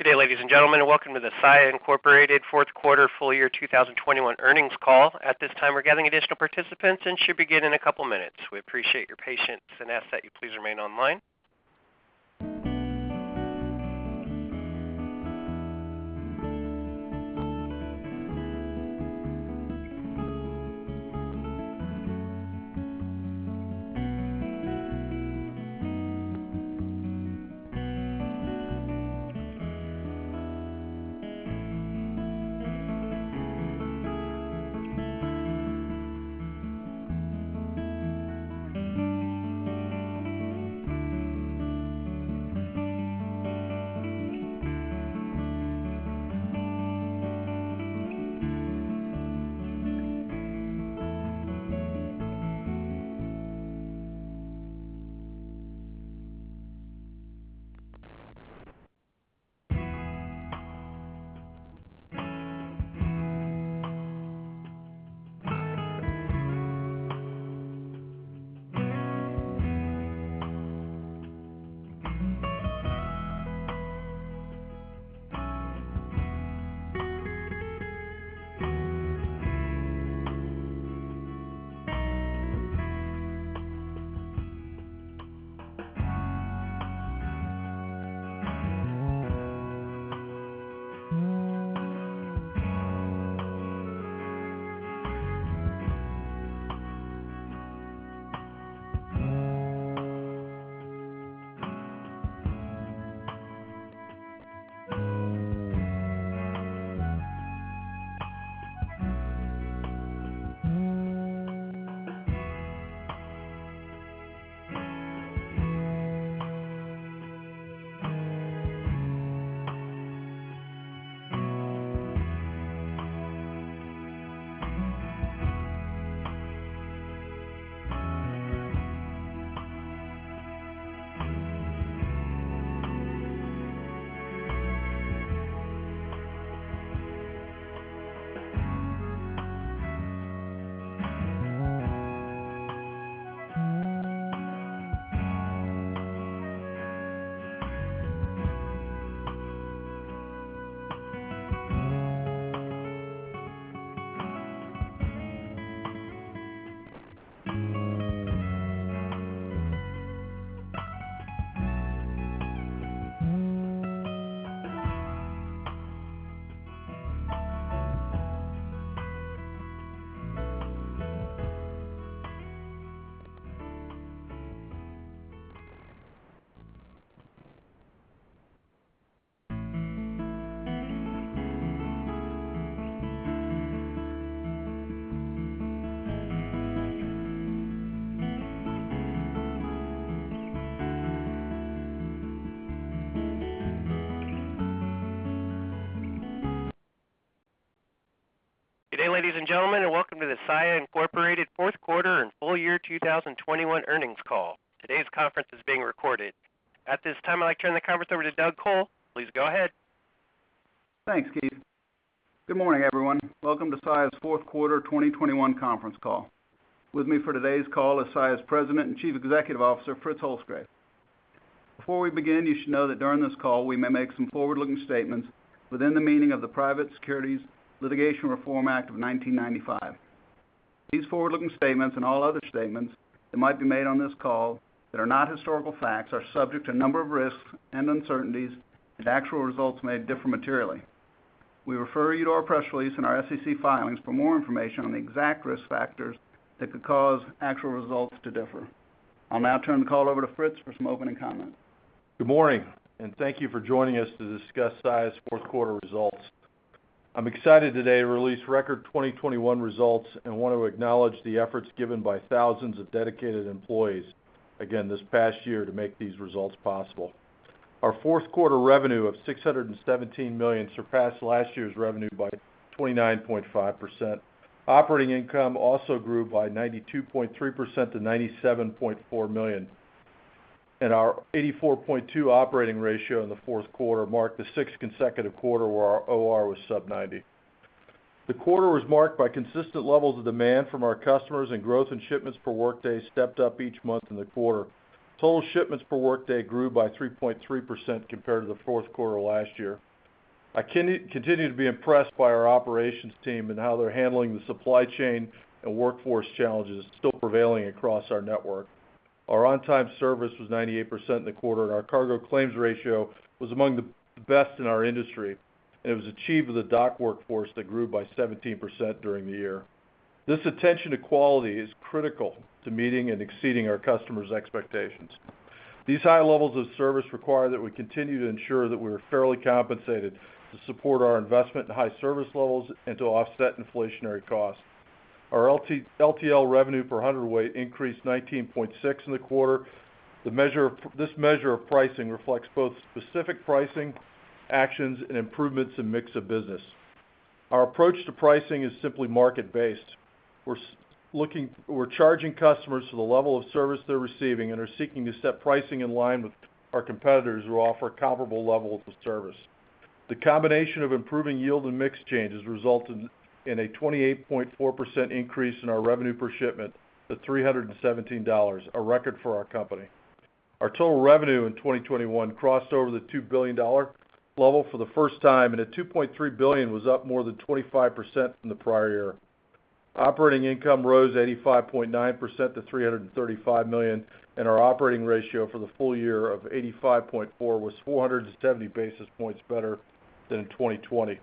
Good day, ladies and gentlemen, and welcome to the Saia, Inc. fourth quarter and full year 2021 earnings call. Today's conference is being recorded. At this time, I'd like to turn the conference over to Douglas Col. Please go ahead. Thanks, Keith. Good morning, everyone. Welcome to Saia's fourth quarter 2021 conference call. With me for today's call is Saia's President and Chief Executive Officer, Fritz Holzgrefe. Before we begin, you should know that during this call we may make some forward-looking statements within the meaning of the Private Securities Litigation Reform Act of 1995. These forward-looking statements, and all other statements that might be made on this call that are not historical facts, are subject to a number of risks and uncertainties, and actual results may differ materially. We refer you to our press release and our SEC filings for more information on the exact risk factors that could cause actual results to differ. I'll now turn the call over to Fritz for some opening comments. Good morning, and thank you for joining us to discuss Saia's fourth quarter results. I'm excited today to release record 2021 results and want to acknowledge the efforts given by thousands of dedicated employees, again, this past year to make these results possible. Our fourth quarter revenue of $617 million surpassed last year's revenue by 29.5%. Operating income also grew by 92.3% to $97.4 million. Our 84.2 operating ratio in the fourth quarter marked the sixth consecutive quarter where our OR was sub-90. The quarter was marked by consistent levels of demand from our customers, and growth in shipments for workday stepped up each month in the quarter. Total shipments for workday grew by 3.3% compared to the fourth quarter last year. I continue to be impressed by our operations team and how they're handling the supply chain and workforce challenges still prevailing across our network. Our on-time service was 98% in the quarter, and our cargo claims ratio was among the best in our industry, and it was achieved with a dock workforce that grew by 17% during the year. This attention to quality is critical to meeting and exceeding our customers' expectations. These high levels of service require that we continue to ensure that we're fairly compensated to support our investment in high service levels and to offset inflationary costs. Our LTL revenue per 100 weight increased 19.6% in the quarter. This measure of pricing reflects both specific pricing actions and improvements in mix of business. Our approach to pricing is simply market-based. We're charging customers for the level of service they're receiving and are seeking to set pricing in line with our competitors who offer comparable levels of service. The combination of improving yield and mix changes resulted in a 28.4% increase in our revenue per shipment to $317, a record for our company. Our total revenue in 2021 crossed over the $2 billion level for the first time, and at $2.3 billion, was up more than 25% from the prior year. Operating income rose 85.9% to $335 million, and our operating ratio for the full year of 85.4 was 470 basis points better than in 2020.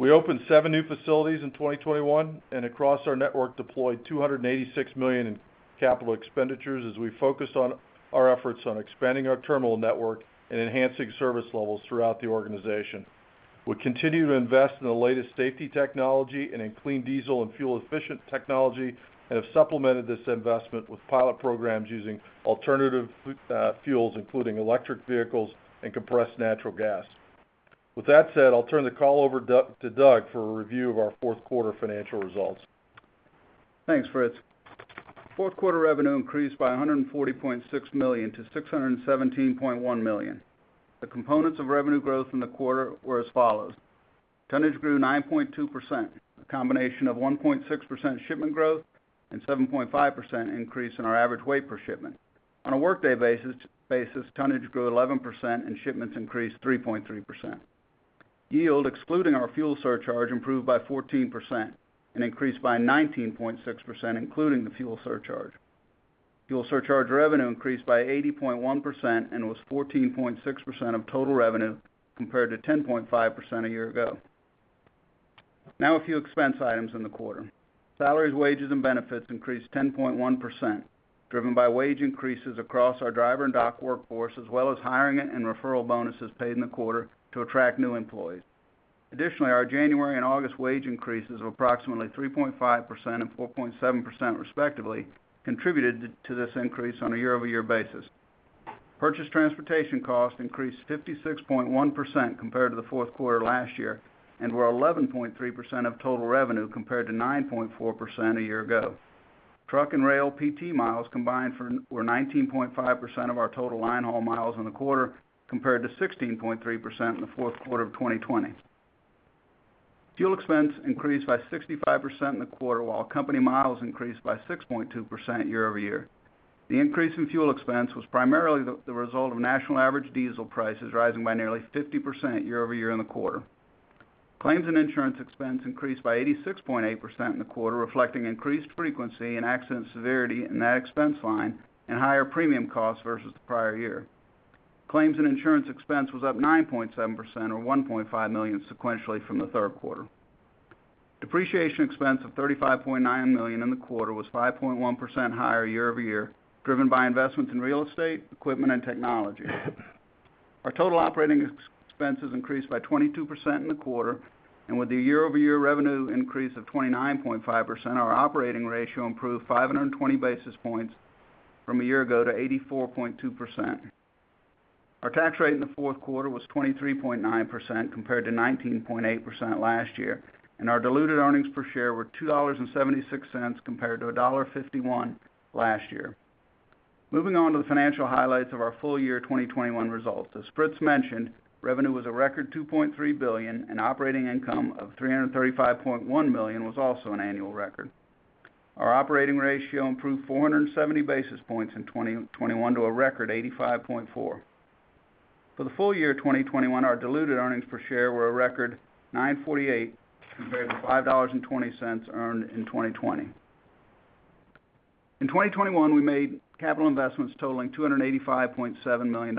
We opened seven new facilities in 2021, and across our network deployed $286 million in capital expenditures as we focused on our efforts on expanding our terminal network and enhancing service levels throughout the organization. We continue to invest in the latest safety technology and in clean diesel and fuel-efficient technology, and have supplemented this investment with pilot programs using alternative fuels, including electric vehicles and compressed natural gas. With that said, I'll turn the call over to Doug for a review of our fourth quarter financial results. Thanks, Fritz. Fourth quarter revenue increased by $140.6 million-$617.1 million. The components of revenue growth in the quarter were as follows. Tonnage grew 9.2%, a combination of 1.6% shipment growth and 7.5% increase in our average weight per shipment. On a workday basis, tonnage grew 11% and shipments increased 3.3%. Yield, excluding our fuel surcharge, improved by 14% and increased by 19.6% including the fuel surcharge. Fuel surcharge revenue increased by 80.1% and was 14.6% of total revenue, compared to 10.5% a year ago. Now a few expense items in the quarter. Salaries, wages, and benefits increased 10.1%, driven by wage increases across our driver and dock workforce, as well as hiring and referral bonuses paid in the quarter to attract new employees. Additionally, our January and August wage increases of approximately 3.5% and 4.7% respectively contributed to this increase on a year-over-year basis. Purchase transportation costs increased 56.1% compared to the fourth quarter last year and were 11.3% of total revenue compared to 9.4% a year ago. Truck and rail PT miles combined were 19.5% of our total line haul miles in the quarter compared to 16.3% in the fourth quarter of 2020. Fuel expense increased by 65% in the quarter, while company miles increased by 6.2% year-over-year. The increase in fuel expense was primarily the result of national average diesel prices rising by nearly 50% year-over-year in the quarter. Claims and insurance expense increased by 86.8% in the quarter, reflecting increased frequency and accident severity in that expense line and higher premium costs versus the prior year. Claims and insurance expense was up 9.7% or $1.5 million sequentially from the third quarter. Depreciation expense of $35.9 million in the quarter was 5.1% higher year-over-year, driven by investments in real estate, equipment, and technology. Our total operating expenses increased by 22% in the quarter, and with a year-over-year revenue increase of 29.5%, our operating ratio improved 520 basis points from a year ago to 84.2%. Our tax rate in the fourth quarter was 23.9% compared to 19.8% last year, and our diluted earnings per share were $2.76 compared to $1.51 last year. Moving on to the financial highlights of our full year 2021 results. As Fritz mentioned, revenue was a record $2.3 billion, and operating income of $335.1 million was also an annual record. Our operating ratio improved 470 basis points in 2021 to a record 85.4. For the full year 2021, our diluted earnings per share were a record $9.48 compared to $5.20 earned in 2020. In 2021, we made capital investments totaling $285.7 million.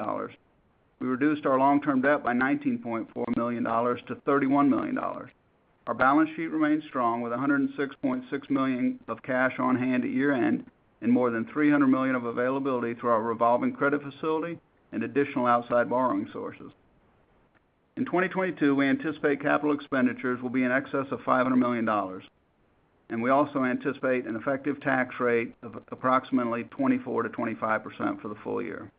We reduced our long-term debt by $19.4 million-$31 million. Our balance sheet remains strong with $106.6 million of cash on hand at year-end and more than $300 million of availability through our revolving credit facility and additional outside borrowing sources. In 2022, we anticipate capital expenditures will be in excess of $500 million, and we also anticipate an effective tax rate of approximately 24%-25% for the full year.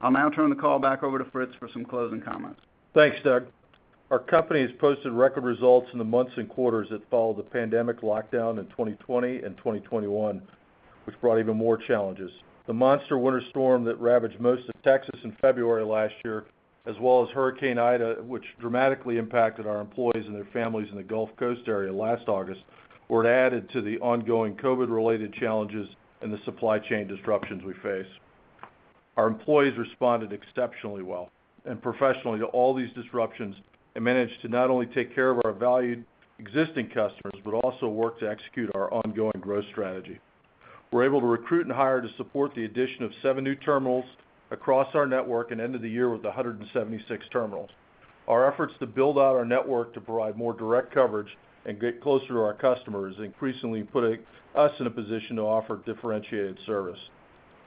I'll now turn the call back over to Fritz for some closing comments. Thanks, Doug. Our company has posted record results in the months and quarters that followed the pandemic lockdown in 2020 and 2021, which brought even more challenges. The monster winter storm that ravaged most of Texas in February last year, as well as Hurricane Ida, which dramatically impacted our employees and their families in the Gulf Coast area last August, were added to the ongoing COVID-related challenges and the supply chain disruptions we face. Our employees responded exceptionally well and professionally to all these disruptions and managed to not only take care of our valued existing customers, but also work to execute our ongoing growth strategy. We're able to recruit and hire to support the addition of seven new terminals across our network and ended the year with 176 terminals. Our efforts to build out our network to provide more direct coverage and get closer to our customers increasingly putting us in a position to offer differentiated service.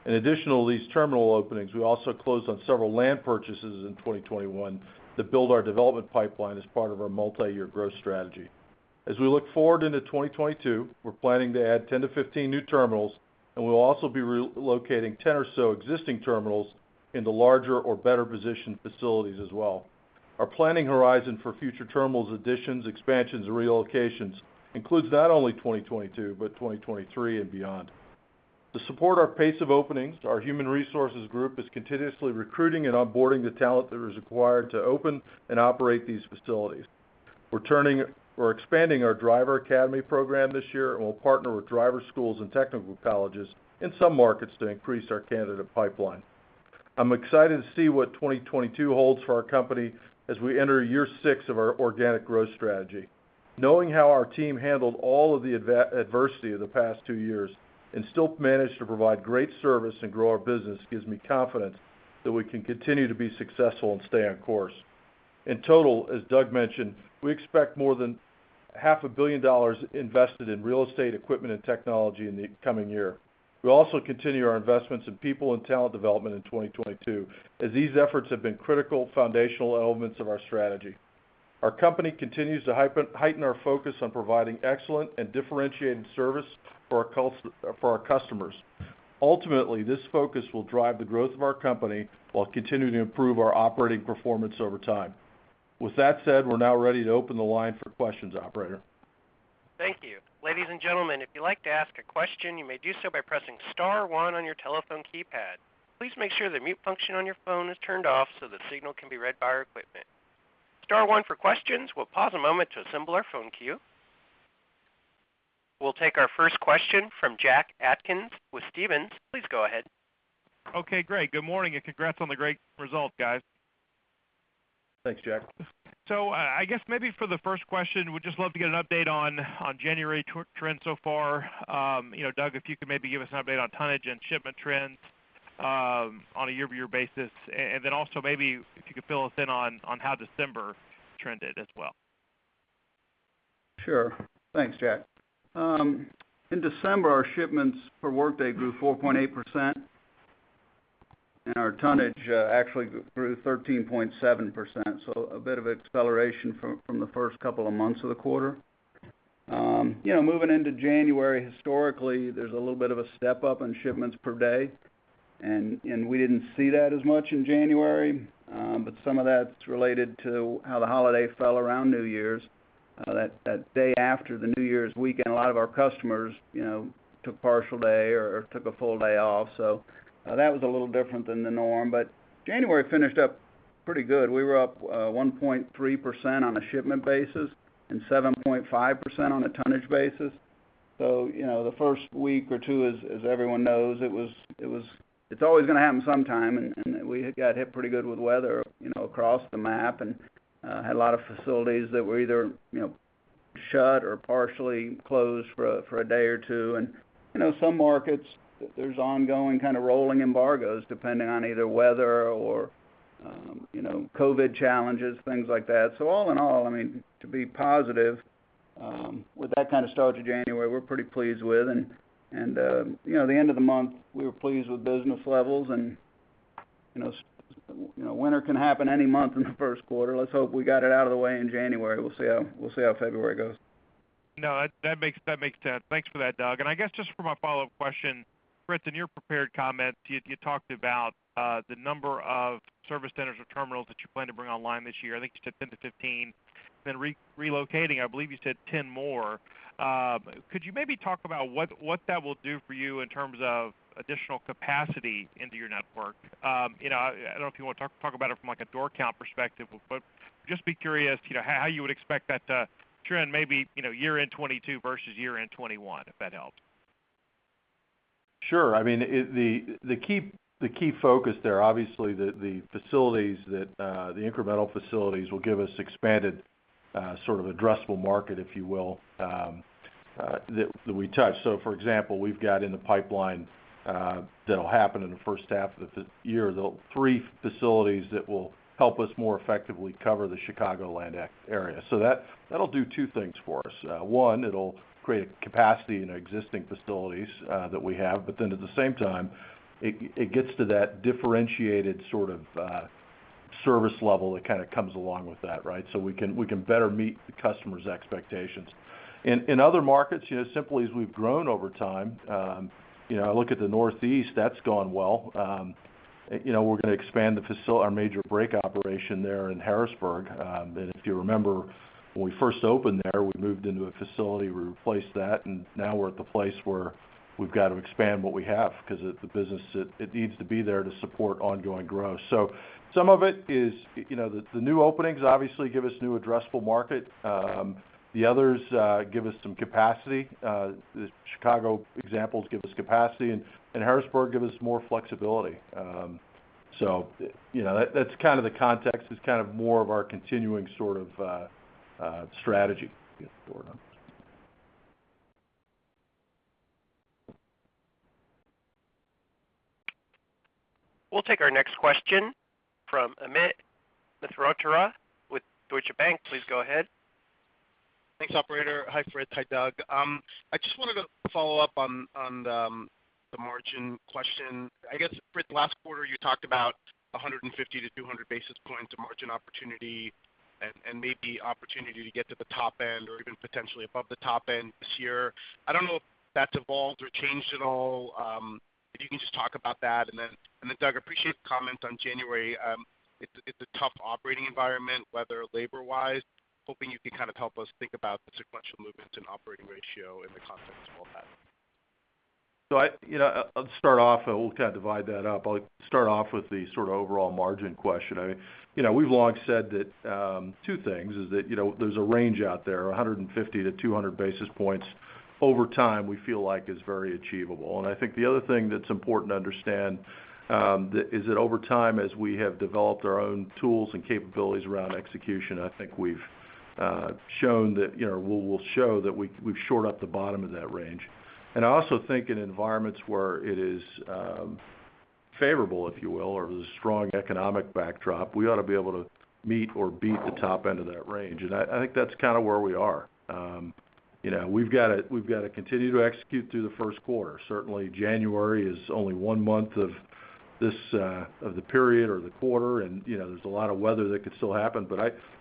In addition to these terminal openings, we also closed on several land purchases in 2021 that build our development pipeline as part of our multiyear growth strategy. As we look forward into 2022, we're planning to add 10-15 new terminals, and we will also be re-locating 10 or so existing terminals into larger or better-positioned facilities as well. Our planning horizon for future terminals additions, expansions, and relocations includes not only 2022, but 2023 and beyond. To support our pace of openings, our human resources group is continuously recruiting and onboarding the talent that is required to open and operate these facilities. We're expanding our driver academy program this year, and we'll partner with driver schools and technical colleges in some markets to increase our candidate pipeline. I'm excited to see what 2022 holds for our company as we enter year six of our organic growth strategy. Knowing how our team handled all of the adversity of the past two years and still managed to provide great service and grow our business gives me confidence that we can continue to be successful and stay on course. In total, as Doug mentioned, we expect more than $500 million invested in real estate, equipment, and technology in the coming year. We'll also continue our investments in people and talent development in 2022, as these efforts have been critical foundational elements of our strategy. Our company continues to heighten our focus on providing excellent and differentiated service for our customers. Ultimately, this focus will drive the growth of our company while continuing to improve our operating performance over time. With that said, we're now ready to open the line for questions, operator. Thank you. Ladies and gentlemen, if you'd like to ask a question, you may do so by pressing star one on your telephone keypad. Please make sure the mute function on your phone is turned off so the signal can be read by our equipment. Star one for questions. We'll pause a moment to assemble our phone queue. We'll take our first question from Jack Atkins with Stephens. Please go ahead. Okay, great. Good morning, and congrats on the great results, guys. Thanks, Jack. I guess maybe for the first question, would just love to get an update on January trends so far. You know, Doug, if you could maybe give us an update on tonnage and shipment trends on a year-over-year basis. And then also maybe if you could fill us in on how December trended as well. Sure. Thanks, Jack. In December, our shipments per workday grew 4.8%, and our tonnage actually grew 13.7%, so a bit of acceleration from the first couple of months of the quarter. You know, moving into January, historically, there's a little bit of a step-up in shipments per day and we didn't see that as much in January, but some of that's related to how the holiday fell around New Year's. That day after the New Year's weekend, a lot of our customers you know took partial day or took a full day off, so that was a little different than the norm. January finished up pretty good. We were up 1.3% on a shipment basis and 7.5% on a tonnage basis. You know, the first week or two, as everyone knows, it was. It's always gonna happen sometime, and we had got hit pretty good with weather, you know, across the map and had a lot of facilities that were either, you know, shut or partially closed for a day or two. You know, some markets there's ongoing kind of rolling embargoes depending on either weather or, you know, COVID challenges, things like that. All in all, I mean, to be positive, with that kind of start to January, we're pretty pleased with. You know, the end of the month, we were pleased with business levels. You know, winter can happen any month in the first quarter. Let's hope we got it out of the way in January. We'll see how February goes. No, that makes sense. Thanks for that, Doug. I guess just for my follow-up question, Fritz, in your prepared comments, you talked about the number of service centers or terminals that you plan to bring online this year. I think you said 10-15. Then relocating, I believe you said 10 more. Could you maybe talk about what that will do for you in terms of additional capacity into your network? You know, I don't know if you wanna talk about it from like a door count perspective, but just be curious, you know, how you would expect that to trend maybe, you know, year-end 2022 versus year-end 2021, if that helps. Sure. I mean, the key focus there, obviously the facilities that the incremental facilities will give us expanded sort of addressable market, if you will, that we touch. For example, we've got in the pipeline, that'll happen in the first half of the fiscal year, the three facilities that will help us more effectively cover the Chicagoland area. That'll do two things for us. One, it'll create a capacity in our existing facilities that we have. At the same time, it gets to that differentiated sort of service level that kind of comes along with that, right? We can better meet the customer's expectations. In other markets, you know, simply as we've grown over time, you know, look at the Northeast, that's gone well. You know, we're gonna expand our major break operation there in Harrisburg. If you remember when we first opened there, we moved into a facility, we replaced that, and now we're at the place where we've got to expand what we have 'cause the business needs to be there to support ongoing growth. Some of it is, you know, the new openings obviously give us new addressable market. The others give us some capacity. The Chicago examples give us capacity, and Harrisburg give us more flexibility. You know, that's kind of the context. It's kind of more of our continuing sort of strategy going on. We'll take our next question from Amit Mehrotra with Deutsche Bank. Please go ahead. Thanks, operator. Hi, Fritz. Hi, Doug. I just wanted to follow up on the margin question. I guess, Fritz, last quarter you talked about 150-200 basis points of margin opportunity and maybe opportunity to get to the top end or even potentially above the top end this year. I don't know if that's evolved or changed at all. If you can just talk about that. Doug, I appreciate the comment on January. It's a tough operating environment, weather- and labor-wise, hoping you can kind of help us think about the sequential movements in operating ratio in the context of all that. You know, I'll start off, we'll kind of divide that up. I'll start off with the sort of overall margin question. I mean, you know, we've long said that, two things, is that, you know, there's a range out there, 150-200 basis points over time, we feel like is very achievable. I think the other thing that's important to understand, is that over time, as we have developed our own tools and capabilities around execution, I think we've shown that, you know, we'll show that we've shored up the bottom of that range. I also think in environments where it is, favorable, if you will, or the strong economic backdrop, we ought to be able to meet or beat the top end of that range. I think that's kind of where we are. You know, we've got to continue to execute through the first quarter. Certainly, January is only one month of this of the period or the quarter, and you know, there's a lot of weather that could still happen.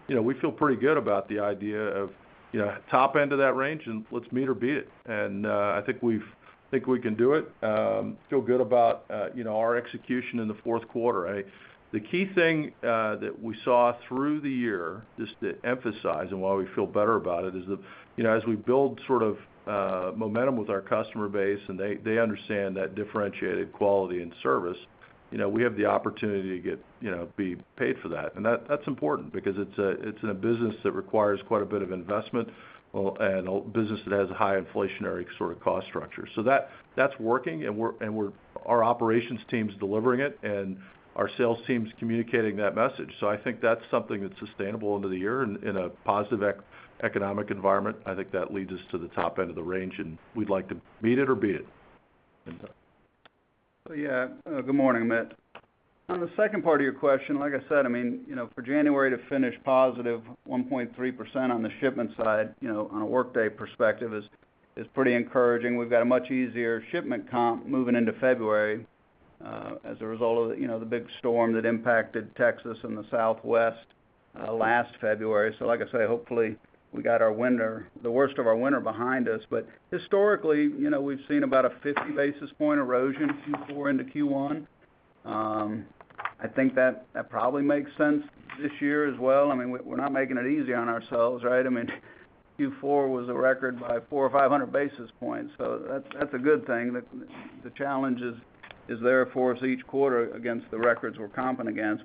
You know, we feel pretty good about the idea of you know, top end of that range and let's meet or beat it. I think we can do it. Feel good about you know, our execution in the fourth quarter. The key thing that we saw through the year, just to emphasize and why we feel better about it, is that, you know, as we build sort of momentum with our customer base and they understand that differentiated quality and service, you know, we have the opportunity to get, you know, be paid for that. And that's important because it's a business that requires quite a bit of investment and a business that has a high inflationary sort of cost structure. That's working, and our operations team's delivering it, and our sales team's communicating that message. I think that's something that's sustainable into the year in a positive economic environment. I think that leads us to the top end of the range, and we'd like to meet it or beat it. Doug. Yeah. Good morning, Amit. On the second part of your question, like I said, I mean, you know, for January to finish +1.3% on the shipment side, you know, on a workday perspective is pretty encouraging. We've got a much easier shipment comp moving into February, as a result of the, you know, the big storm that impacted Texas and the Southwest, last February. Like I say, hopefully, we got our winter, the worst of our winter behind us. Historically, you know, we've seen about a 50 basis point erosion Q4 into Q1. I think that probably makes sense this year as well. I mean, we're not making it easy on ourselves, right? I mean, Q4 was a record by 400 or 500 basis points. That's a good thing. The challenge is there for us each quarter against the records we're comping against.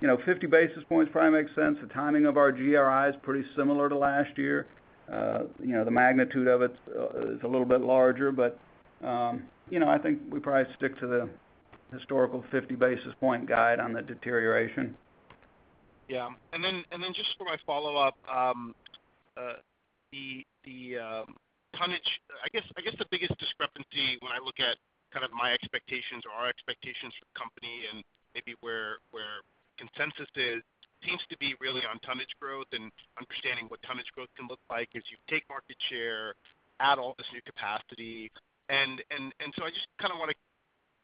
You know, 50 basis points probably makes sense. The timing of our GRI is pretty similar to last year. You know, the magnitude of it is a little bit larger, but you know, I think we probably stick to the historical 50 basis point guide on the deterioration. Yeah. Just for my follow-up, the tonnage. I guess the biggest discrepancy when I look at kind of my expectations or our expectations for the company and maybe where consensus is seems to be really on tonnage growth and understanding what tonnage growth can look like as you take market share, add all this new capacity. I just kind of wanna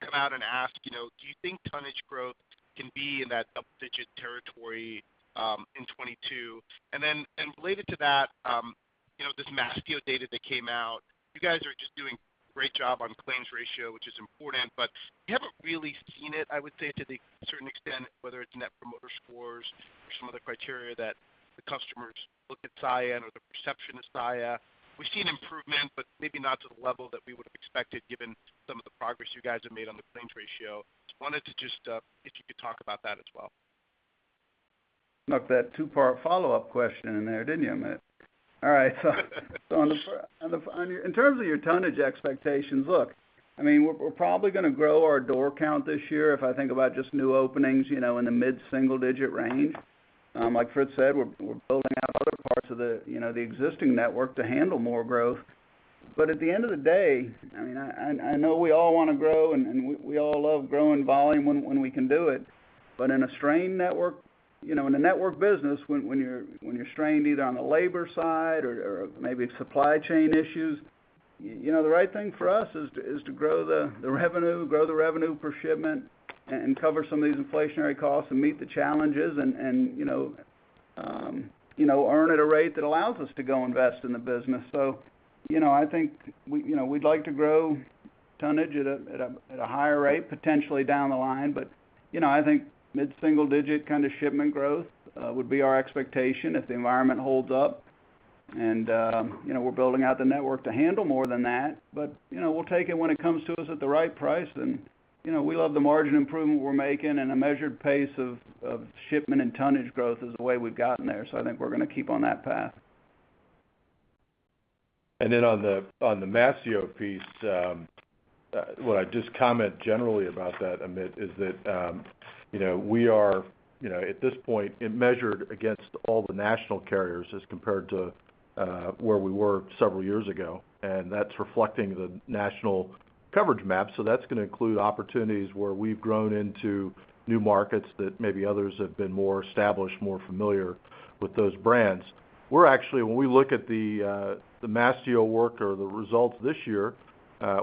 come out and ask, you know, do you think tonnage growth can be in that double-digit territory in 2022? Related to that, you know, this Mastio data that came out, you guys are just doing a great job on claims ratio, which is important, but we haven't really seen it, I would say to a certain extent, whether it's Net Promoter Score or some other criteria that the customers look at Saia or the perception of Saia. We've seen improvement, but maybe not to the level that we would have expected given some of the progress you guys have made on the claims ratio. Just wanted to, if you could talk about that as well. Snuck that two-part follow-up question in there, didn't you, Amit? All right. In terms of your tonnage expectations, look, I mean, we're probably gonna grow our door count this year if I think about just new openings, you know, in the mid single digit range. Like Fritz said, we're building out other parts of the, you know, the existing network to handle more growth. But at the end of the day, I mean, I know we all wanna grow and we all love growing volume when we can do it. In a strained network, you know, in a network business, when you're strained either on the labor side or maybe supply chain issues, you know, the right thing for us is to grow the revenue, grow the revenue per shipment and cover some of these inflationary costs and meet the challenges and, you know, earn at a rate that allows us to go invest in the business. You know, I think we, you know, we'd like to grow tonnage at a higher rate potentially down the line. You know, I think mid-single digit kinda shipment growth would be our expectation if the environment holds up. You know, we're building out the network to handle more than that. You know, we'll take it when it comes to us at the right price. You know, we love the margin improvement we're making and a measured pace of shipment and tonnage growth is the way we've gotten there. I think we're gonna keep on that path. Then on the Mastio piece, what I'd just comment generally about that, Amit, is that, you know, we are, you know, at this point, it measured against all the national carriers as compared to where we were several years ago, and that's reflecting the national coverage map. That's gonna include opportunities where we've grown into new markets that maybe others have been more established, more familiar with those brands. We're actually, when we look at the Mastio work or the results this year,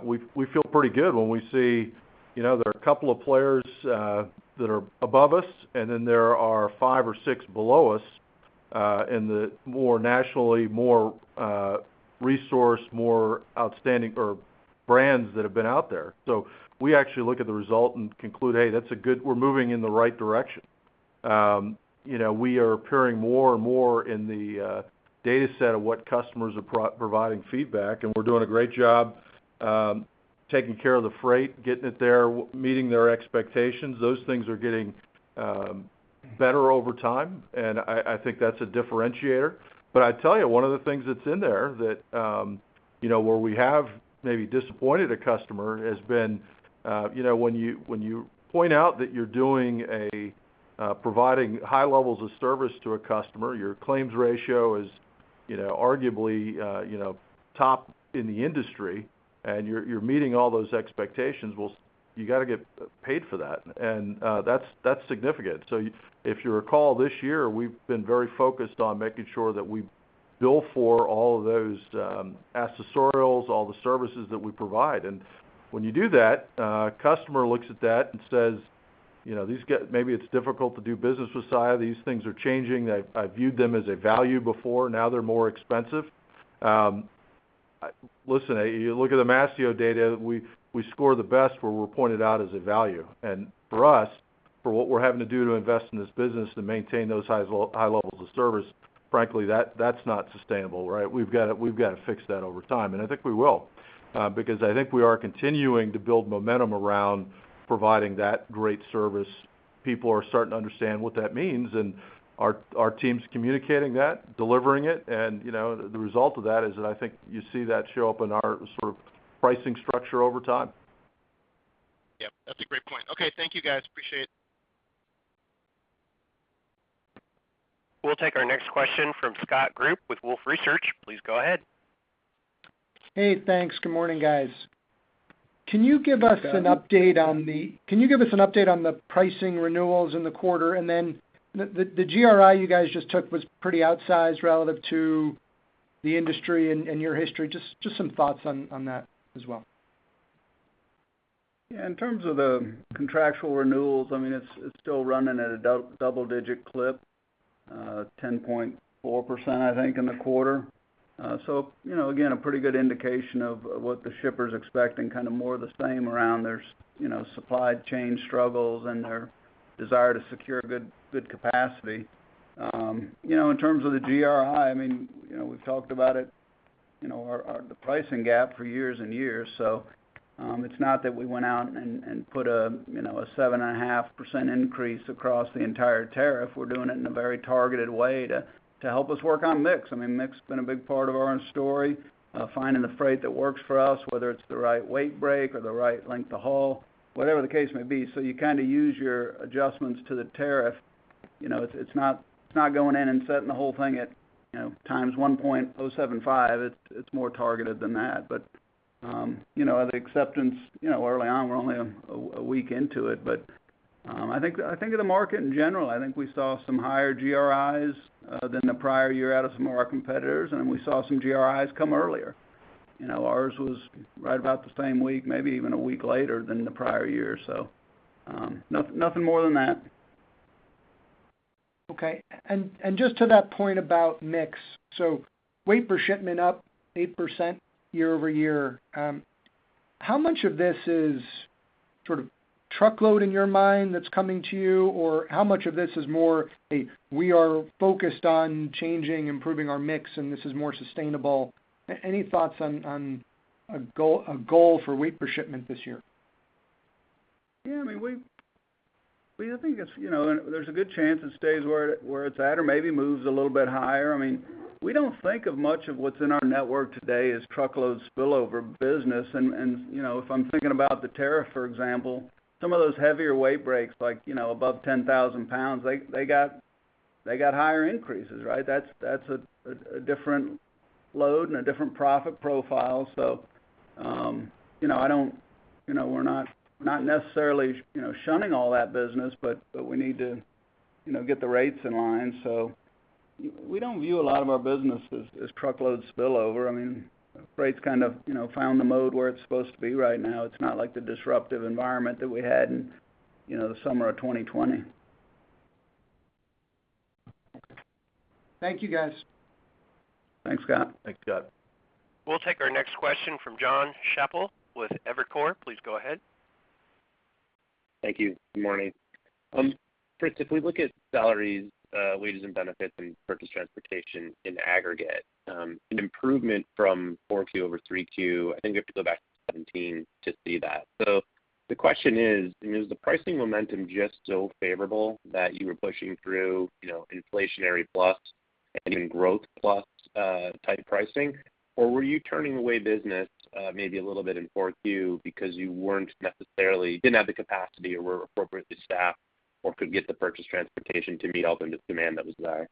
we feel pretty good when we see, you know, there are a couple of players that are above us, and then there are five or six below us. The more national, more resourced, more longstanding brands that have been out there. We actually look at the result and conclude, hey, that's a good. We're moving in the right direction. You know, we are appearing more and more in the data set of what customers are providing feedback, and we're doing a great job taking care of the freight, getting it there, meeting their expectations. Those things are getting better over time, and I think that's a differentiator. I tell you, one of the things that's in there that you know, where we have maybe disappointed a customer has been you know, when you point out that you're providing high levels of service to a customer, your claims ratio is you know, arguably you know, top in the industry and you're meeting all those expectations, well, you gotta get paid for that. That's significant. If you recall, this year we've been very focused on making sure that we bill for all of those accessorials, all the services that we provide. When you do that, customer looks at that and says, you know, maybe it's difficult to do business with Saia. These things are changing. I viewed them as a value before, now they're more expensive. Listen, you look at the Mastio data, we score the best where we're pointed out as a value. For us, for what we're having to do to invest in this business to maintain those high levels of service, frankly, that's not sustainable, right? We've gotta fix that over time, and I think we will, because I think we are continuing to build momentum around providing that great service. People are starting to understand what that means and our team's communicating that, delivering it. You know, the result of that is that I think you see that show up in our sort of pricing structure over time. Yep, that's a great point. Okay, thank you, guys. Appreciate it. We'll take our next question from Scott Group with Wolfe Research. Please go ahead. Hey, thanks. Good morning, guys. Can you give us an update on the pricing renewals in the quarter? The GRI you guys just took was pretty outsized relative to the industry and your history. Just some thoughts on that as well. Yeah, in terms of the contractual renewals, I mean, it's still running at a double-digit clip, 10.4%, I think, in the quarter. So, you know, again, a pretty good indication of what the shipper's expecting, kind of more the same around their supply chain struggles and their desire to secure good capacity. You know, in terms of the GRI, I mean, you know, we've talked about it, you know, or the pricing gap for years-and-years. So, it's not that we went out and put a, you know, a 7.5% increase across the entire tariff. We're doing it in a very targeted way to help us work on mix. I mean, mix has been a big part of our own story, finding the freight that works for us, whether it's the right weight break or the right length of haul, whatever the case may be. You kinda use your adjustments to the tariff. You know, it's not going in and setting the whole thing at, you know, times 1.075. It's more targeted than that. You know, the acceptance, you know, early on, we're only a week into it, but I think in the market in general, I think we saw some higher GRIs than the prior year out of some of our competitors, and we saw some GRIs come earlier. You know, ours was right about the same week, maybe even a week later than the prior year. Nothing more than that. Okay. Just to that point about mix, weight per shipment up 8% year-over-year. How much of this is sort of truckload in your mind that's coming to you? Or how much of this is more, "Hey, we are focused on changing, improving our mix, and this is more sustainable"? Any thoughts on a goal for weight per shipment this year? Yeah, I mean, I think it's you know and there's a good chance it stays where it's at or maybe moves a little bit higher. I mean, we don't think of much of what's in our network today as truckload spillover business. You know, if I'm thinking about the tariff, for example, some of those heavier weight breaks, like you know above 10,000 pounds, they got higher increases, right? That's a different load and a different profit profile. You know, we're not necessarily you know shunning all that business, but we need to you know get the rates in line. We don't view a lot of our business as truckload spillover. I mean, freight's kind of you know found the mode where it's supposed to be right now. It's not like the disruptive environment that we had in, you know, the summer of 2020. Thank you, guys. Thanks, Scott. Thanks, Scott. We'll take our next question from Jonathan Chappell with Evercore. Please go ahead. Thank you. Good morning. First, if we look at salaries, wages and benefits and purchase transportation in aggregate, an improvement from 4Q over 3Q, I think you have to go back to 2017 to see that. The question is the pricing momentum just so favorable that you were pushing through, you know, inflationary plus and even growth plus type pricing, or were you turning away business, maybe a little bit in 4Q because you didn't have the capacity or weren't appropriately staffed or couldn't get the purchase transportation to meet all the demand that was there?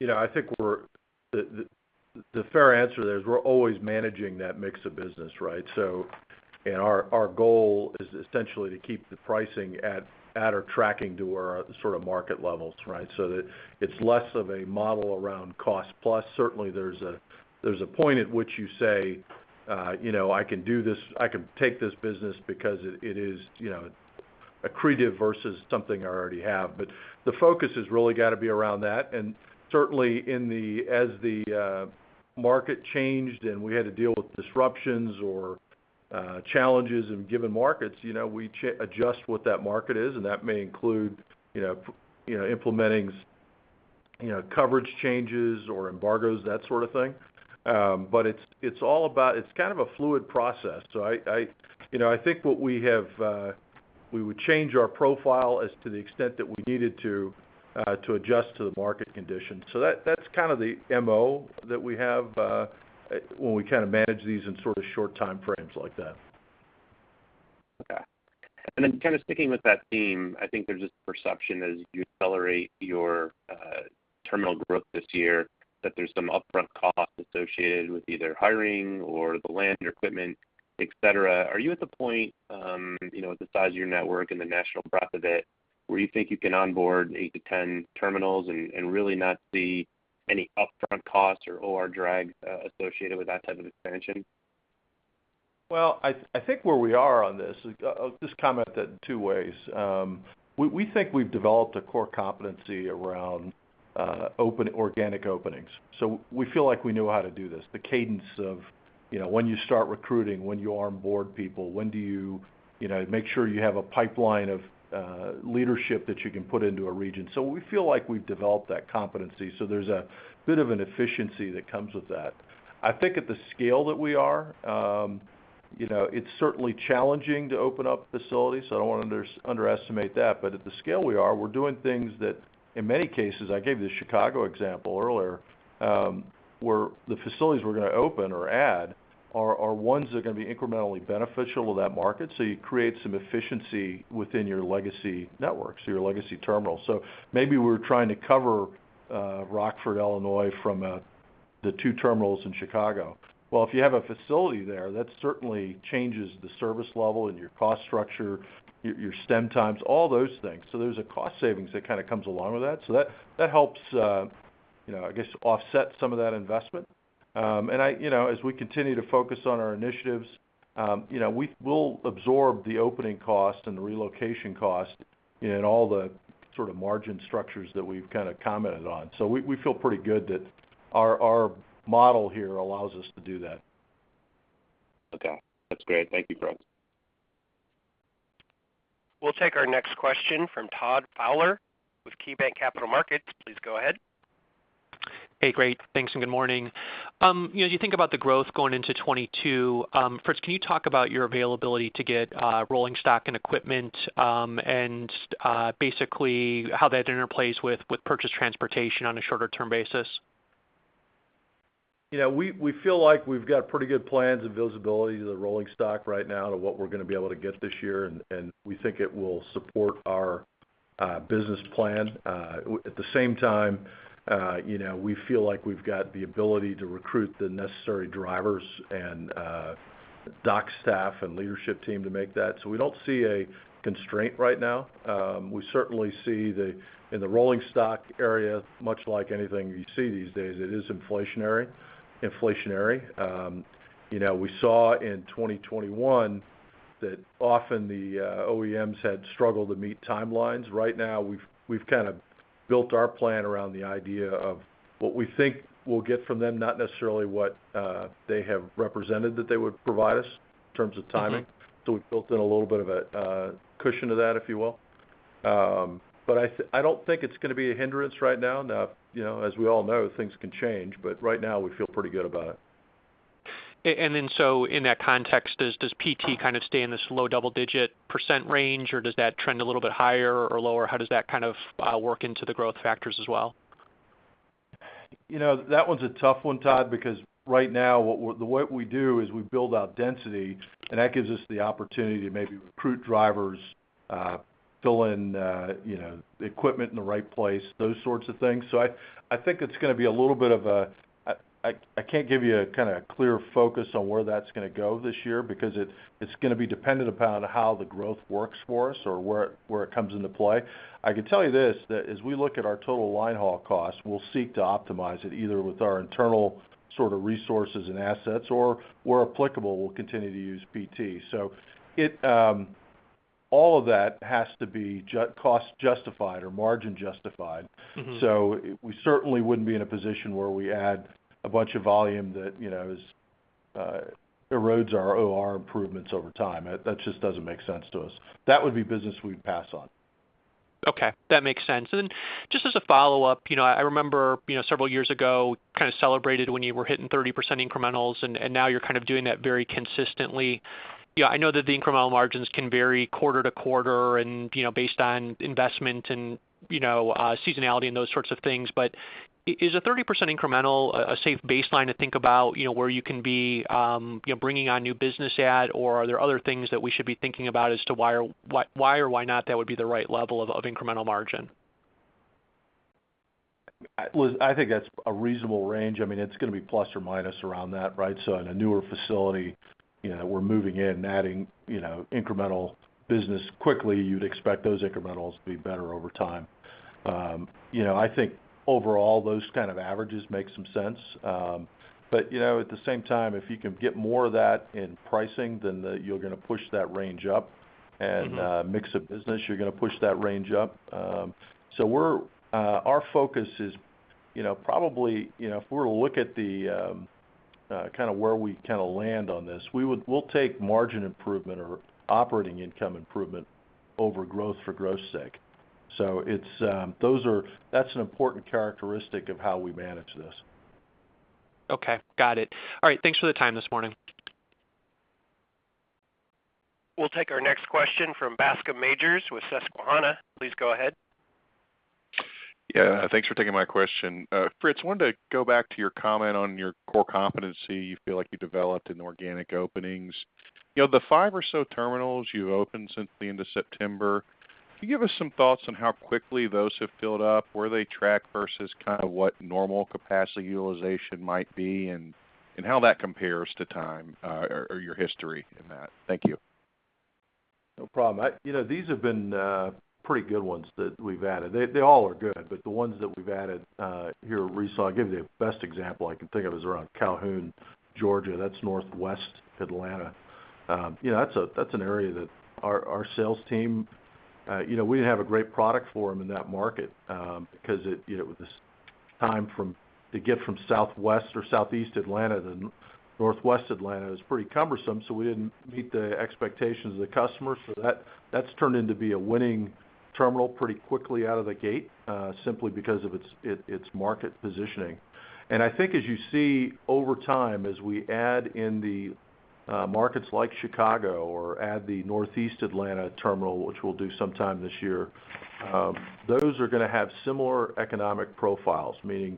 You know, the fair answer there is we're always managing that mix of business, right? Our goal is essentially to keep the pricing at or tracking to where the sort of market levels, right? That it's less of a model around cost plus. Certainly there's a point at which you say, you know, "I can do this. I can take this business because it is, you know, accretive versus something I already have." But the focus has really got to be around that. Certainly, as the market changed, and we had to deal with disruptions or challenges in given markets, you know, we adjust what that market is, and that may include, you know, implementing coverage changes or embargoes, that sort of thing. It's kind of a fluid process. You know, I think what we have, we would change our profile as to the extent that we needed to adjust to the market conditions. That's kind of the MO that we have when we kind of manage these in sort of short time frames like that. Okay. Then kind of sticking with that theme, I think there's this perception as you accelerate your terminal growth this year, that there's some upfront costs associated with either hiring or the land or equipment, et cetera. Are you at the point, you know, with the size of your network and the national breadth of it, where you think you can onboard 8-10 terminals and really not see any upfront costs or OR drag associated with that type of expansion? Well, I think where we are on this, I'll just comment that in two ways. We think we've developed a core competency around organic openings. So we feel like we know how to do this, the cadence of, you know, when you start recruiting, when you onboard people, when do you know, make sure you have a pipeline of leadership that you can put into a region. So we feel like we've developed that competency, so there's a bit of an efficiency that comes with that. I think at the scale that we are, you know, it's certainly challenging to open up facilities, so I don't want to underestimate that. At the scale we are, we're doing things that in many cases, I gave you the Chicago example earlier, where the facilities we're gonna open or add are ones that are gonna be incrementally beneficial to that market. You create some efficiency within your legacy networks, your legacy terminals. Maybe we're trying to cover Rockford, Illinois, from the two terminals in Chicago. Well, if you have a facility there, that certainly changes the service level and your cost structure, your transit times, all those things. There's a cost savings that kind of comes along with that. That helps, you know, I guess, offset some of that investment. I, you know, as we continue to focus on our initiatives, you know, we'll absorb the opening cost and the relocation cost and all the sort of margin structures that we've kind of commented on. We feel pretty good that our model here allows us to do that. Okay, that's great. Thank you, Fritz Holzgrefe. We'll take our next question from Todd Fowler with KeyBanc Capital Markets. Please go ahead. Hey, great. Thanks, and good morning. You know, as you think about the growth going into 2022, first, can you talk about your availability to get rolling stock and equipment, and basically how that interplays with purchase transportation on a shorter term basis? You know, we feel like we've got pretty good plans and visibility to the rolling stock right now to what we're gonna be able to get this year, and we think it will support our business plan. At the same time, you know, we feel like we've got the ability to recruit the necessary drivers and dock staff and leadership team to make that. So we don't see a constraint right now. We certainly see, in the rolling stock area, much like anything you see these days, it is inflationary. You know, we saw in 2021 that often the OEMs had struggled to meet timelines. Right now, we've kind of built our plan around the idea of what we think we'll get from them, not necessarily what they have represented that they would provide us in terms of timing. We've built in a little bit of a cushion to that, if you will. I don't think it's gonna be a hindrance right now. Now, you know, as we all know, things can change, but right now we feel pretty good about it. In that context, does PT kind of stay in this low double-digit % range, or does that trend a little bit higher or lower? How does that kind of work into the growth factors as well? You know, that one's a tough one, Todd, because right now the way we do is we build out density, and that gives us the opportunity to maybe recruit drivers, fill in, you know, equipment in the right place, those sorts of things. I think I can't give you a kinda clear focus on where that's gonna go this year because it's gonna be dependent upon how the growth works for us or where it comes into play. I can tell you this, that as we look at our total line haul costs, we'll seek to optimize it, either with our internal sort of resources and assets, or where applicable, we'll continue to use PT. All of that has to be cost justified or margin justified. We certainly wouldn't be in a position where we add a bunch of volume that, you know, erodes our OR improvements over time. That just doesn't make sense to us. That would be business we'd pass on. Okay, that makes sense. Just as a follow-up, you know, I remember, you know, several years ago, kind of celebrated when you were hitting 30% incrementals, and now you're kind of doing that very consistently. You know, I know that the incremental margins can vary quarter-to-quarter and, you know, based on investment and, you know, seasonality and those sorts of things. Is a 30% incremental a safe baseline to think about, you know, where you can be, you know, bringing on new business at, or are there other things that we should be thinking about as to why or why not that would be the right level of incremental margin? Well, I think that's a reasonable range. I mean, it's gonna be plus or minus around that, right? In a newer facility, you know, we're moving in and adding, you know, incremental business quickly, you'd expect those incrementals to be better over time. You know, I think overall, those kind of averages make some sense. But you know, at the same time, if you can get more of that in pricing, then you're gonna push that range up. Mix of business, you're gonna push that range up. Our focus is, you know, probably, you know, if we were to look at the kind of where we kind of land on this, we'll take margin improvement or operating income improvement over growth for growth's sake. That's an important characteristic of how we manage this. Okay. Got it. All right. Thanks for the time this morning. We'll take our next question from Bascome Majors with Susquehanna. Please go ahead. Yeah. Thanks for taking my question. Fritz, wanted to go back to your comment on your core competency you feel like you developed in organic openings. You know, the five or so terminals you've opened since the end of September, can you give us some thoughts on how quickly those have filled up, where they track versus kind of what normal capacity utilization might be, and how that compares to time, or your history in that? Thank you. No problem. You know, these have been pretty good ones that we've added. They all are good, but the ones that we've added here recently. I'll give you the best example I can think of is around Calhoun, Georgia. That's Northwest Atlanta. You know, that's an area that our sales team, you know, we didn't have a great product for them in that market, because you know, with this time to get from Southwest or Southeast Atlanta to Northwest Atlanta is pretty cumbersome, so we didn't meet the expectations of the customers. So that's turned into be a winning terminal pretty quickly out of the gate, simply because of its market positioning. I think as you see over time, as we add in the markets like Chicago or add the Northeast Atlanta terminal, which we'll do sometime this year, those are gonna have similar economic profiles, meaning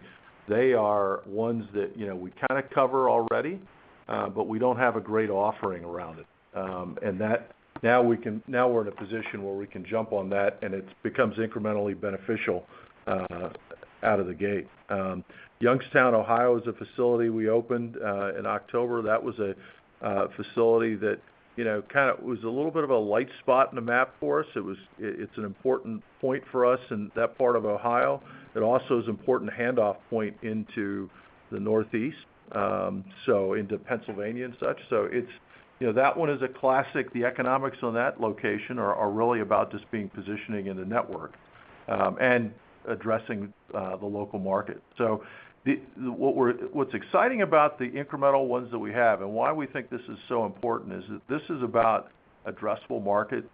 they are ones that, you know, we kind of cover already, but we don't have a great offering around it. Now we're in a position where we can jump on that, and it becomes incrementally beneficial out of the gate. Youngstown, Ohio, is a facility we opened in October. That was a facility that, you know, kind of was a little bit of a light spot in the map for us. It is an important point for us in that part of Ohio. It also is important handoff point into the Northeast, so into Pennsylvania and such. It's, you know, that one is a classic. The economics on that location are really about just being positioned in the network and addressing the local market. What's exciting about the incremental ones that we have and why we think this is so important is that this is about addressable market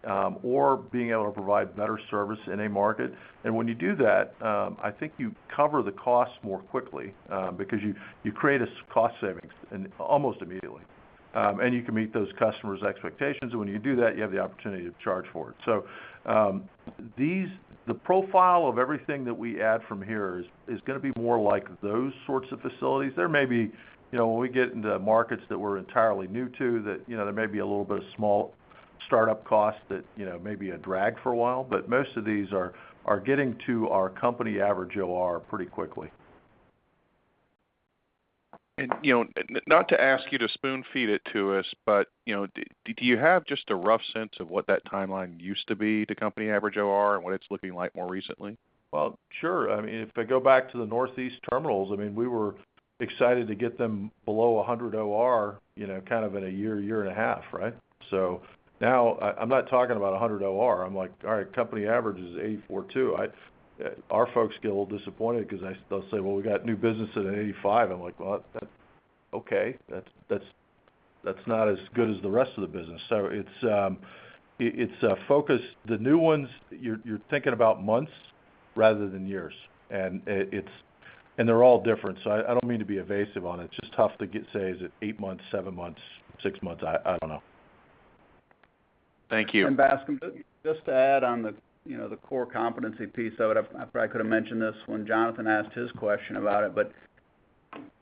or being able to provide better service in a market. And when you do that, I think you cover the costs more quickly because you create cost savings and almost immediately. And you can meet those customers' expectations. And when you do that, you have the opportunity to charge for it. The profile of everything that we add from here is gonna be more like those sorts of facilities. There may be, you know, when we get into markets that we're entirely new to, that, you know, there may be a little bit of small startup costs that, you know, may be a drag for a while, but most of these are getting to our company average OR pretty quickly. You know, not to ask you to spoon feed it to us, but, you know, do you have just a rough sense of what that timeline used to be, the company average OR, and what it's looking like more recently? Well, sure. I mean, if I go back to the Northeast terminals, I mean, we were excited to get them below 100 OR, you know, kind of in 1.5 Year, right? Now I'm not talking about 100 OR. I'm like, all right, company average is 84.2. Our folks get a little disappointed because they'll say, "Well, we got new business at an 85." I'm like, "Well, that's okay. That's not as good as the rest of the business." It's a focus. The new ones, you're thinking about months rather than years. It's, and they're all different, so I don't mean to be evasive on it. It's just tough to get, say, is it eight months, seven months, six months? I don't know. Thank you. Bascome Majors, just to add on the, you know, the core competency piece of it, I probably could have mentioned this when Jonathan asked his question about it, but,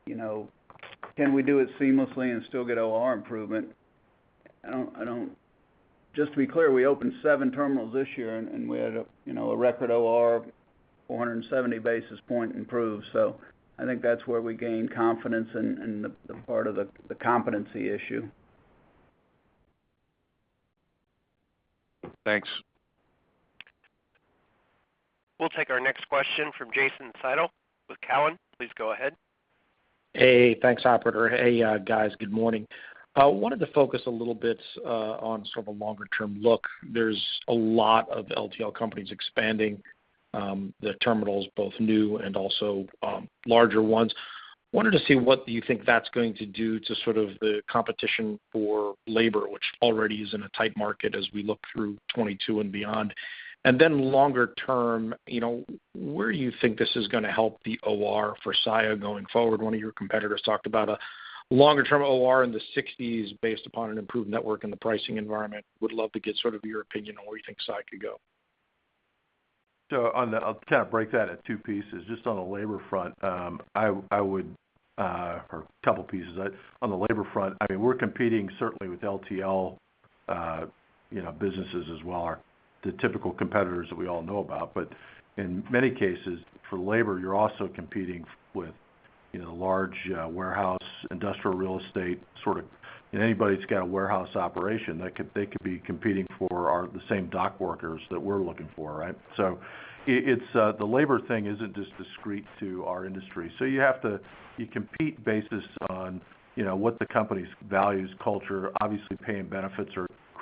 you know, can we do it seamlessly and still get OR improvement? I don't. Just to be clear, we opened seven terminals this year, and we had a, you know, a record OR of 470 basis points improvement. I think that's where we gain confidence in the competency issue. Thanks. We'll take our next question from Jason Seidl with Cowen. Please go ahead. Hey. Thanks, operator. Hey, guys, good morning. I wanted to focus a little bit on sort of a longer term look. There's a lot of LTL companies expanding their terminals, both new and also larger ones. Wanted to see what you think that's going to do to sort of the competition for labor, which already is in a tight market as we look through 2022 and beyond. Longer term, you know, where do you think this is gonna help the OR for Saia going forward? One of your competitors talked about a longer term OR in the sixties based upon an improved network in the pricing environment. Would love to get sort of your opinion on where you think Saia could go. On that, I'll kind of break that into two pieces. On the labor front, I mean, we're competing certainly with LTL, you know, businesses as well, or the typical competitors that we all know about. But in many cases, for labor, you're also competing with, you know, large, warehouse, industrial real estate, sort of, and anybody that's got a warehouse operation, they could be competing for the same dock workers that we're looking for, right? It's the labor thing isn't just discrete to our industry. You compete based on, you know, what the company's values, culture, obviously pay and benefits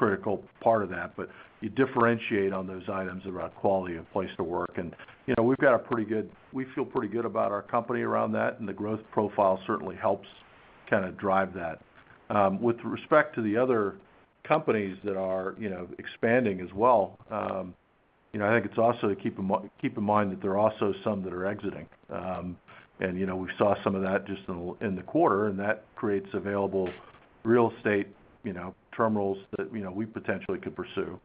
are critical part of that, but you differentiate on those items around quality and place to work. You know, we've got a pretty good. We feel pretty good about our company around that, and the growth profile certainly helps. Kind of drive that. With respect to the other companies that are, you know, expanding as well, you know, I think it's also to keep in mind that there are also some that are exiting. You know, we saw some of that just in the quarter, and that creates available real estate, you know, terminals that, you know, we potentially could pursue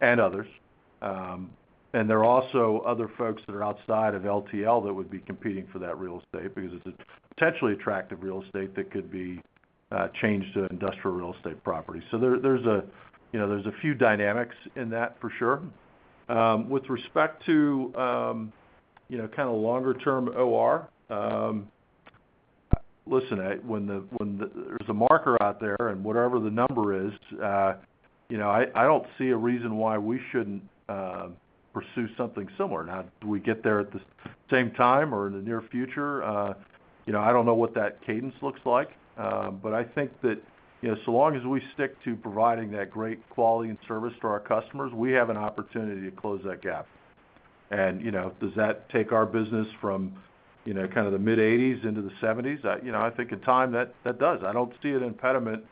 and others. There are also other folks that are outside of LTL that would be competing for that real estate because it's a potentially attractive real estate that could be changed to industrial real estate property. There's a, you know, there's a few dynamics in that for sure. With respect to, you know, kind of longer-term OR, listen, when there's a marker out there, and whatever the number is, you know, I don't see a reason why we shouldn't pursue something similar. Now, do we get there at the same time or in the near future? You know, I don't know what that cadence looks like. I think that, you know, so long as we stick to providing that great quality and service to our customers, we have an opportunity to close that gap. You know, does that take our business from, you know, kind of the mid-80s% into the 70s%? You know, I think in time, that does. I don't see an impediment.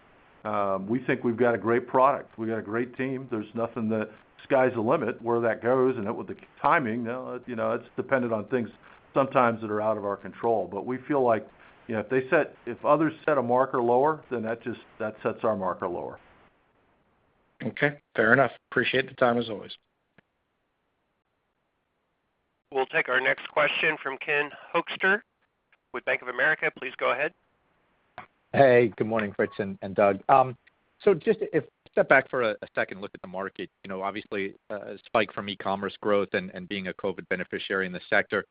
We think we've got a great product. We got a great team. There's nothing that. Sky's the limit where that goes, and with the timing, it's dependent on things sometimes that are out of our control. We feel like, you know, if others set a marker lower, then that just sets our marker lower. Okay. Fair enough. Appreciate the time as always. We'll take our next question from Ken Hoexter with Bank of America. Please go ahead. Hey, good morning, Fritz and Doug. So just if we step back for a second look at the market, you know, obviously a spike from e-commerce growth and being a COVID beneficiary in the sector,